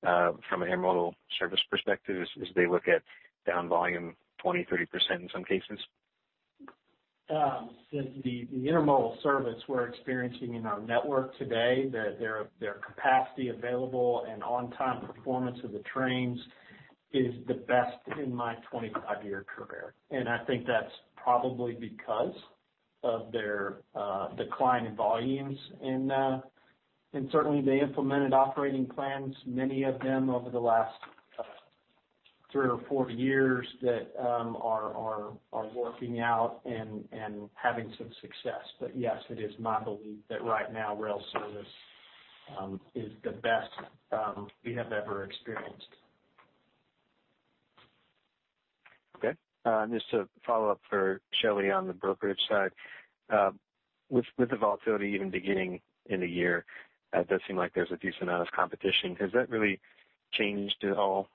from an Intermodal service perspective as they look at down volume 20%, 30% in some cases? The Intermodal service we're experiencing in our network today, their capacity available and on-time performance of the trains is the best in my 25-year career. I think that's probably because Of their decline in volumes. Certainly, they implemented operating plans, many of them over the last three or four years that are working out and having some success. Yes, it is my belief that right now rail service is the best we have ever experienced. Okay. Just a follow-up for Shelley on the brokerage side. With the volatility even beginning in the year, it does seem like there's a decent amount of competition. Has that really changed at all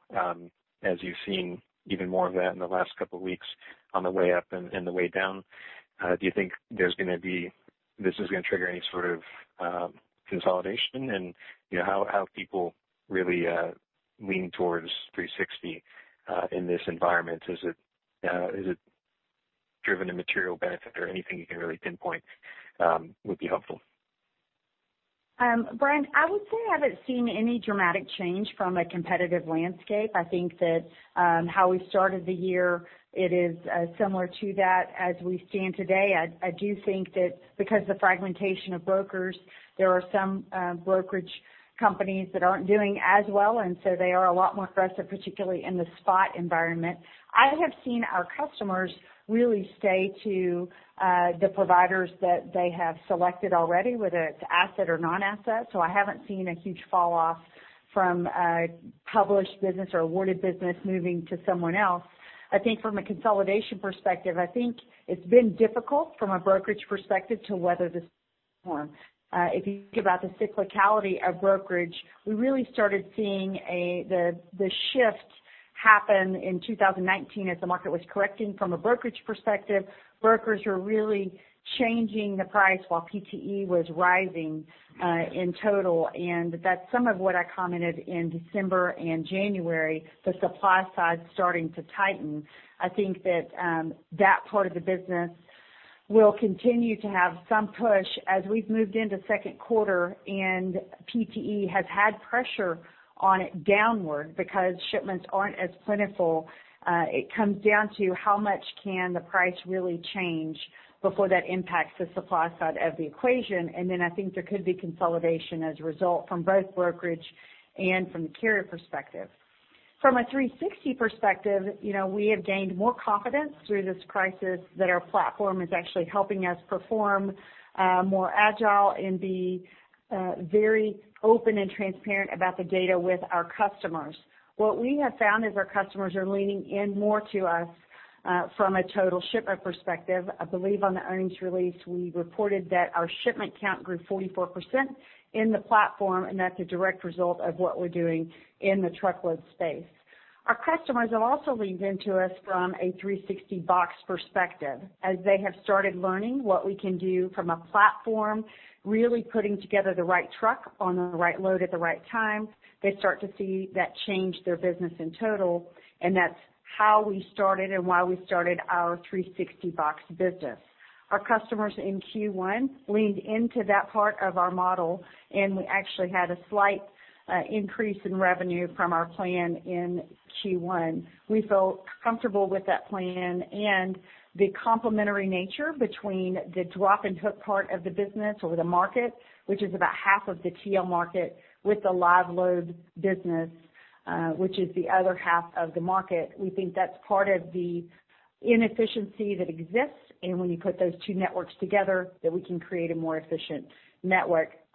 as you've seen even more of that in the last couple of weeks on the way up and the way down? Do you think this is going to trigger any sort of consolidation? How people really lean towards 360 in this environment? Is it driven a material benefit or anything you can really pinpoint would be helpful? Brian, I would say I haven't seen any dramatic change from a competitive landscape. I think that how we started the year, it is similar to that as we stand today. I do think that because the fragmentation of brokers, there are some brokerage companies that aren't doing as well, and so they are a lot more aggressive, particularly in the spot environment. I have seen our customers really stay to the providers that they have selected already, whether it's asset or non-asset. I haven't seen a huge fall off from a published business or awarded business moving to someone else. I think from a consolidation perspective, I think it's been difficult from a brokerage perspective to weather the storm. If you think about the cyclicality of brokerage, we really started seeing the shift happen in 2019 as the market was correcting from a brokerage perspective. Brokers were really changing the price while PTE was rising in total, and that's some of what I commented in December and January, the supply side starting to tighten. I think that part of the business will continue to have some push as we've moved into second quarter, and PTE has had pressure on it downward because shipments aren't as plentiful. It comes down to how much can the price really change before that impacts the supply side of the equation, and then I think there could be consolidation as a result from both brokerage and from the carrier perspective. From a 360 perspective, we have gained more confidence through this crisis that our platform is actually helping us perform more agile and be very open and transparent about the data with our customers. What we have found is our customers are leaning in more to us from a total shipment perspective. I believe on the earnings release, we reported that our shipment count grew 44% in the platform, and that's a direct result of what we're doing in the truckload space. Our customers have also leaned into us from a 360 box perspective as they have started learning what we can do from a platform, really putting together the right truck on the right load at the right time. They start to see that change their business in total, and that's how we started and why we started our 360 box business. Our customers in Q1 leaned into that part of our model, and we actually had a slight increase in revenue from our plan in Q1. We feel comfortable with that plan and the complementary nature between the drop and hook part of the business or the market, which is about half of the TL market with the live load business, which is the other half of the market. We think that's part of the inefficiency that exists, and when you put those two networks together, that we can create a more efficient network.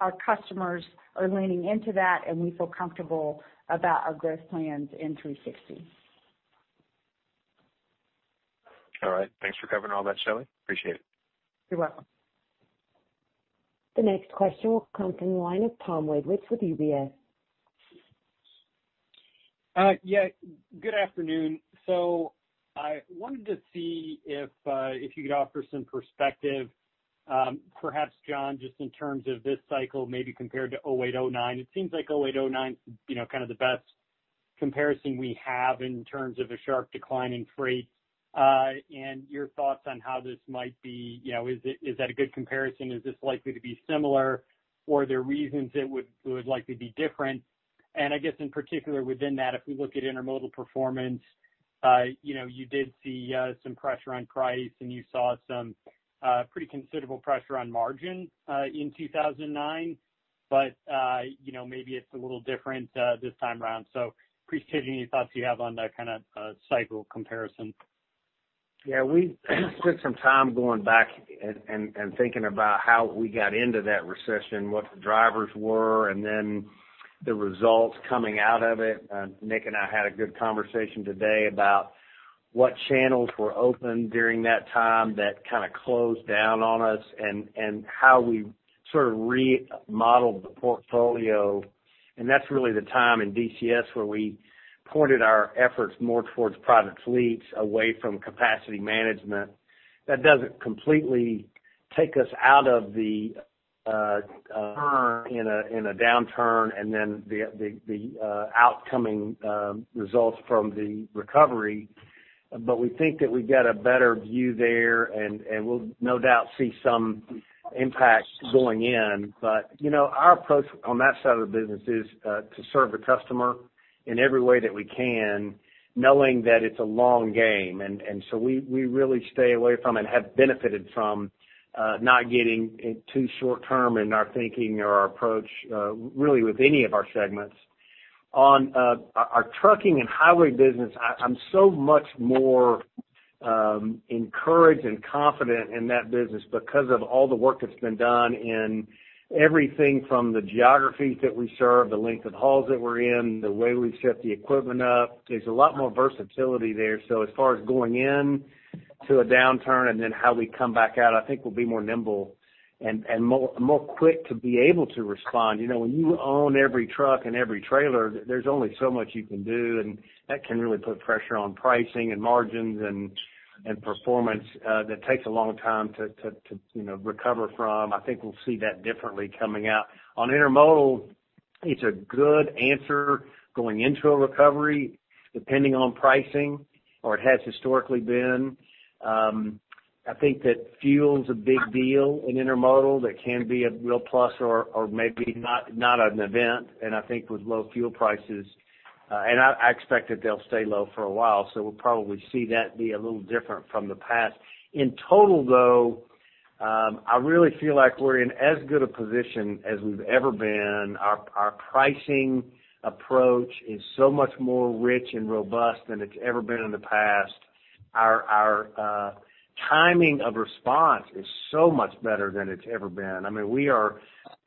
Our customers are leaning into that, and we feel comfortable about our growth plans in J.B. Hunt 360. All right. Thanks for covering all that, Shelley. Appreciate it. You're welcome. The next question will come from the line of Tom Wadewitz with UBS. Yeah, good afternoon. I wanted to see if you could offer some perspective, perhaps John, just in terms of this cycle maybe compared to 2008, 2009. It seems like 2008, 2009 is the best comparison we have in terms of a sharp decline in freight. Your thoughts on how this might be, is that a good comparison? Is this likely to be similar? Are there reasons it would likely be different? I guess in particular within that, if we look at Intermodal performance, you did see some pressure on price, and you saw some pretty considerable pressure on margin in 2009, but maybe it's a little different this time around. Appreciate any thoughts you have on that kind of cycle comparison. Yeah. We spent some time going back and thinking about how we got into that recession, what the drivers were, and then the results coming out of it. Nick and I had a good conversation today about what channels were open during that time that closed down on us and how we remodeled the portfolio. That's really the time in DCS where we pointed our efforts more towards product fleets, away from capacity management. That doesn't completely take us out of the turn in a downturn and then the outcoming results from the recovery. We think that we've got a better view there, and we'll no doubt see some impact going in. Our approach on that side of the business is to serve the customer in every way that we can, knowing that it's a long game. We really stay away from and have benefited from not getting too short-term in our thinking or our approach really with any of our segments. On our trucking and highway business, I'm so much more encouraged and confident in that business because of all the work that's been done in everything from the geographies that we serve, the length of hauls that we're in, the way we've set the equipment up. There's a lot more versatility there. As far as going into a downturn and then how we come back out, I think we'll be more nimble and more quick to be able to respond. When you own every truck and every trailer, there's only so much you can do, and that can really put pressure on pricing and margins and performance that takes a long time to recover from. I think we'll see that differently coming out. On Intermodal, it's a good answer going into a recovery depending on pricing, or it has historically been. I think that fuel's a big deal in Intermodal that can be a real plus or maybe not an event, and I think with low fuel prices, and I expect that they'll stay low for a while, so we'll probably see that be a little different from the past. In total, though, I really feel like we're in as good a position as we've ever been. Our pricing approach is so much more rich and robust than it's ever been in the past. Our timing of response is so much better than it's ever been. We are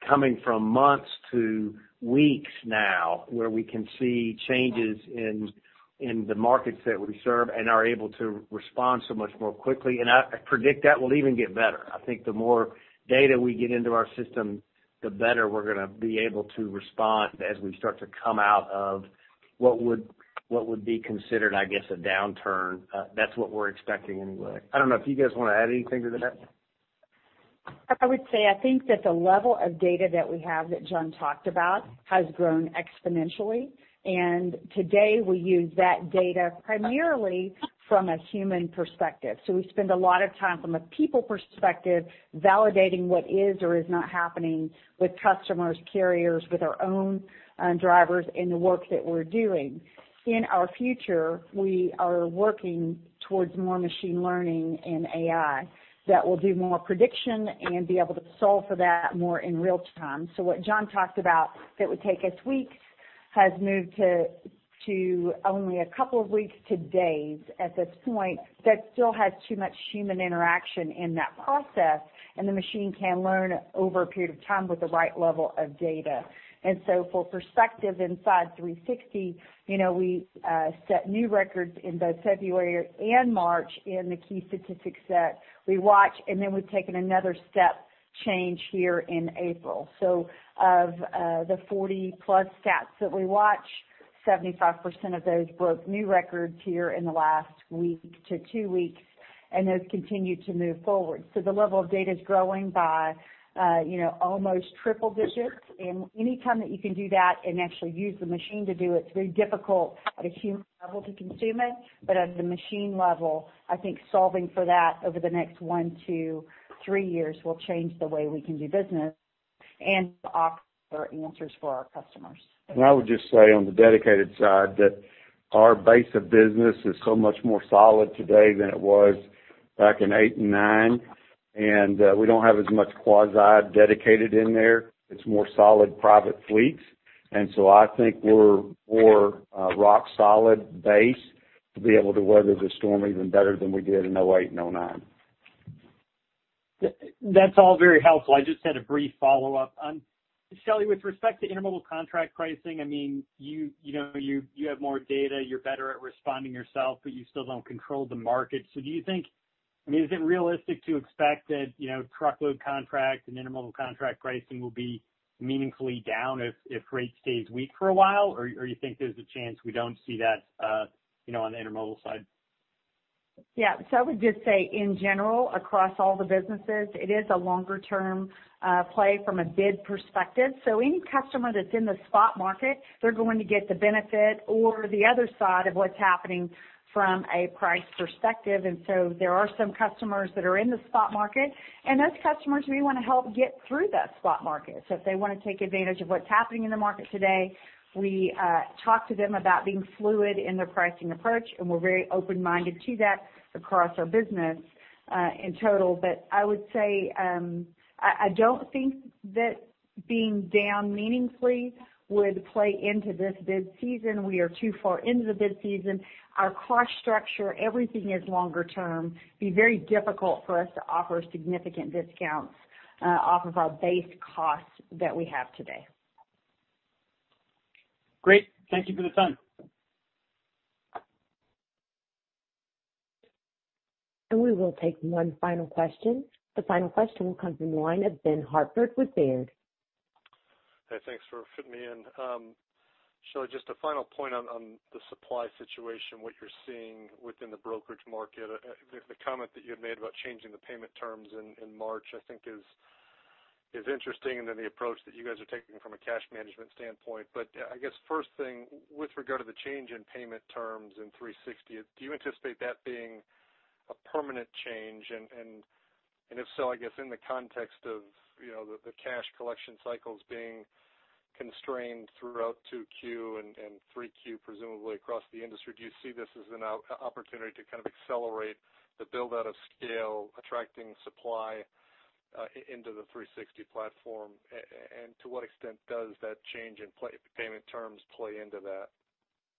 coming from months to weeks now, where we can see changes in the markets that we serve and are able to respond so much more quickly. I predict that will even get better. I think the more data we get into our system, the better we're going to be able to respond as we start to come out of what would be considered, I guess, a downturn. That's what we're expecting anyway. I don't know if you guys want to add anything to that. I would say, I think that the level of data that we have that John talked about has grown exponentially, today we use that data primarily from a human perspective. We spend a lot of time from a people perspective validating what is or is not happening with customers, carriers, with our own drivers in the work that we're doing. In our future, we are working towards more machine learning and AI that will do more prediction and be able to solve for that more in real time. What John talked about that would take us weeks, has moved to only a couple of weeks to days at this point, that still has too much human interaction in that process, the machine can learn over a period of time with the right level of data. For perspective inside 360, we set new records in both February and March in the key statistics that we watch, then we've taken another step change here in April. Of the 40+ stats that we watch, 75% of those broke new records here in the last week to two weeks, and those continue to move forward. The level of data is growing by almost triple-digits. Any time that you can do that and actually use the machine to do it's very difficult at a human level to consume it. At the machine level, I think solving for that over the next one to three years will change the way we can do business and offer answers for our customers. I would just say on the Dedicated side, that our base of business is so much more solid today than it was back in 2008 and 2009. We don't have as much quasi-dedicated in there. It's more solid private fleets. I think we're a rock solid base to be able to weather the storm even better than we did in 2008 and 2009. That's all very helpful. I just had a brief follow-up. Shelley, with respect to Intermodal contract pricing, you have more data, you're better at responding yourself, but you still don't control the market. Is it realistic to expect that truckload contract and Intermodal contract pricing will be meaningfully down if rate stays weak for a while, or you think there's a chance we don't see that on the Intermodal side? Yeah. I would just say, in general, across all the businesses, it is a longer-term play from a bid perspective. Any customer that's in the spot market, they're going to get the benefit or the other side of what's happening from a price perspective. There are some customers that are in the spot market, and those customers we want to help get through that spot market. If they want to take advantage of what's happening in the market today, we talk to them about being fluid in their pricing approach, and we're very open-minded to that across our business in total. I would say, I don't think that being down meaningfully would play into this bid season. We are too far into the bid season. Our cost structure, everything is longer-term. Be very difficult for us to offer significant discounts off of our base costs that we have today. Great. Thank you for the time. We will take one final question. The final question will come from the line of Ben Hartford with Baird. Hey, thanks for fitting me in. Shelley, just a final point on the supply situation, what you're seeing within the brokerage market. The comment that you had made about changing the payment terms in March, I think is interesting, and then the approach that you guys are taking from a cash management standpoint. I guess first thing, with regard to the change in payment terms in 360, do you anticipate that being a permanent change? If so, I guess in the context of the cash collection cycles being constrained throughout 2Q and 3Q, presumably across the industry, do you see this as an opportunity to accelerate the build-out of scale, attracting supply into the 360 platform? To what extent does that change in payment terms play into that?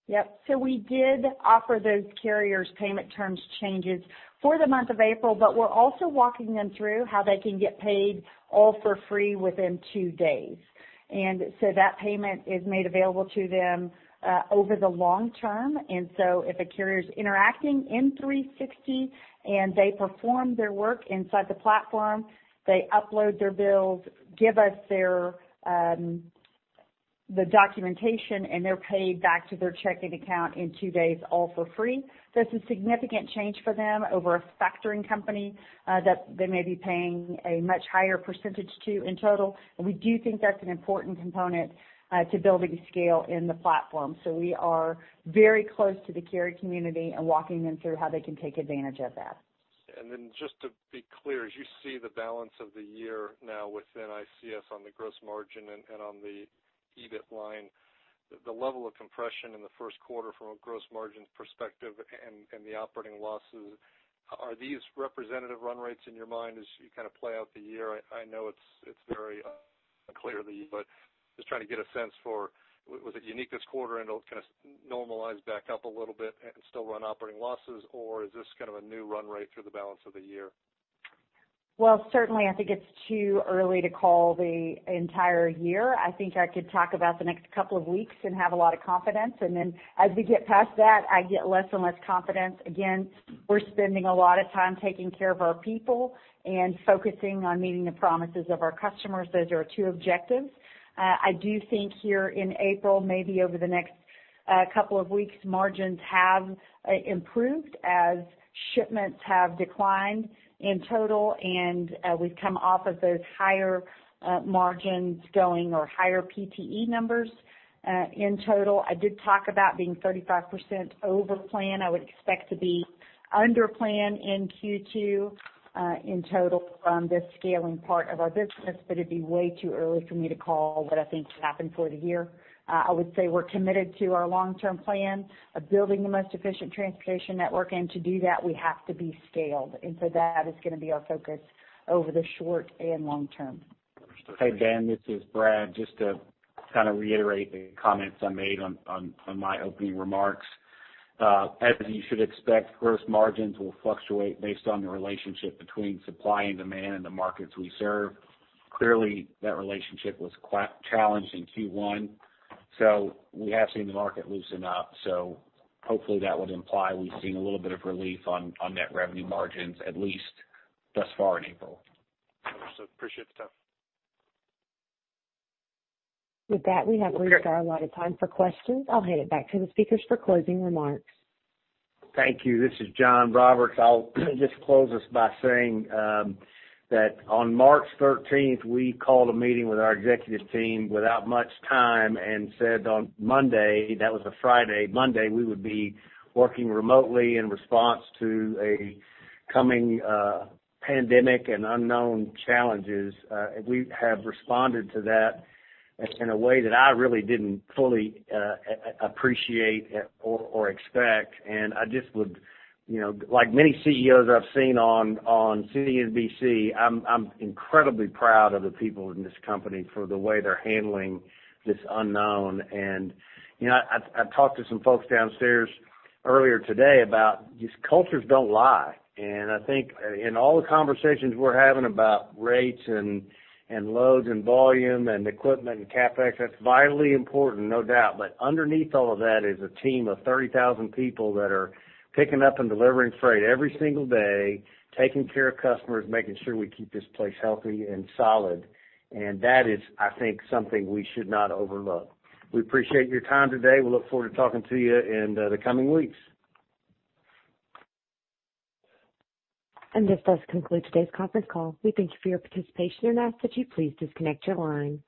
Yep. We did offer those carriers payment terms changes for the month of April, but we're also walking them through how they can get paid all for free within two days. That payment is made available to them over the long term. If a carrier's interacting in 360 and they perform their work inside the platform, they upload their bills, give us the documentation, and they're paid back to their checking account in two days, all for free. It's a significant change for them over a factoring company that they may be paying a much higher percentage to in total. We do think that's an important component to building scale in the platform. We are very close to the carrier community and walking them through how they can take advantage of that. Just to be clear, as you see the balance of the year now within ICS on the gross margin and on the EBIT line, the level of compression in the first quarter from a gross margin perspective and the operating losses, are these representative run rates in your mind as you play out the year? I know it's very unclear to you, but just trying to get a sense for was it unique this quarter and it'll normalize back up a little bit and still run operating losses, or is this kind of a new run rate through the balance of the year? Well, certainly, I think it's too early to call the entire year. I think I could talk about the next couple of weeks and have a lot of confidence. As we get past that, I get less and less confidence. Again, we're spending a lot of time taking care of our people and focusing on meeting the promises of our customers. Those are our two objectives. I do think here in April, maybe over the next couple of weeks, margins have improved as shipments have declined in total, and we've come off of those higher PTE numbers in total. I did talk about being 35% over plan. I would expect to be under plan in Q2 in total from this scaling part of our business. It'd be way too early for me to call what I think should happen for the year. I would say we're committed to our long-term plan of building the most efficient transportation network, to do that, we have to be scaled. That is going to be our focus over the short and long-term. Understood. Hey, Ben, this is Brad. Just to reiterate the comments I made on my opening remarks. As you should expect, gross margins will fluctuate based on the relationship between supply and demand in the markets we serve. Clearly, that relationship was quite challenged in Q1. We have seen the market loosen up. Hopefully, that would imply we've seen a little bit of relief on net revenue margins, at least thus far in April. Appreciate the stuff. With that, we have reached our allotted time for questions. I'll hand it back to the speakers for closing remarks. Thank you. This is John Roberts. I'll just close us by saying that on March 13th, we called a meeting with our executive team without much time and said on Monday, that was a Friday, Monday, we would be working remotely in response to a coming pandemic and unknown challenges. We have responded to that in a way that I really didn't fully appreciate or expect. Like many CEOs I've seen on CNBC, I'm incredibly proud of the people in this company for the way they're handling this unknown. I talked to some folks downstairs earlier today about these cultures don't lie. I think in all the conversations we're having about rates and loads and volume and equipment and CapEx, that's vitally important, no doubt. Underneath all of that is a team of 30,000 people that are picking up and delivering freight every single day, taking care of customers, making sure we keep this place healthy and solid. That is, I think, something we should not overlook. We appreciate your time today. We look forward to talking to you in the coming weeks. This does conclude today's conference call. We thank you for your participation and ask that you please disconnect your line.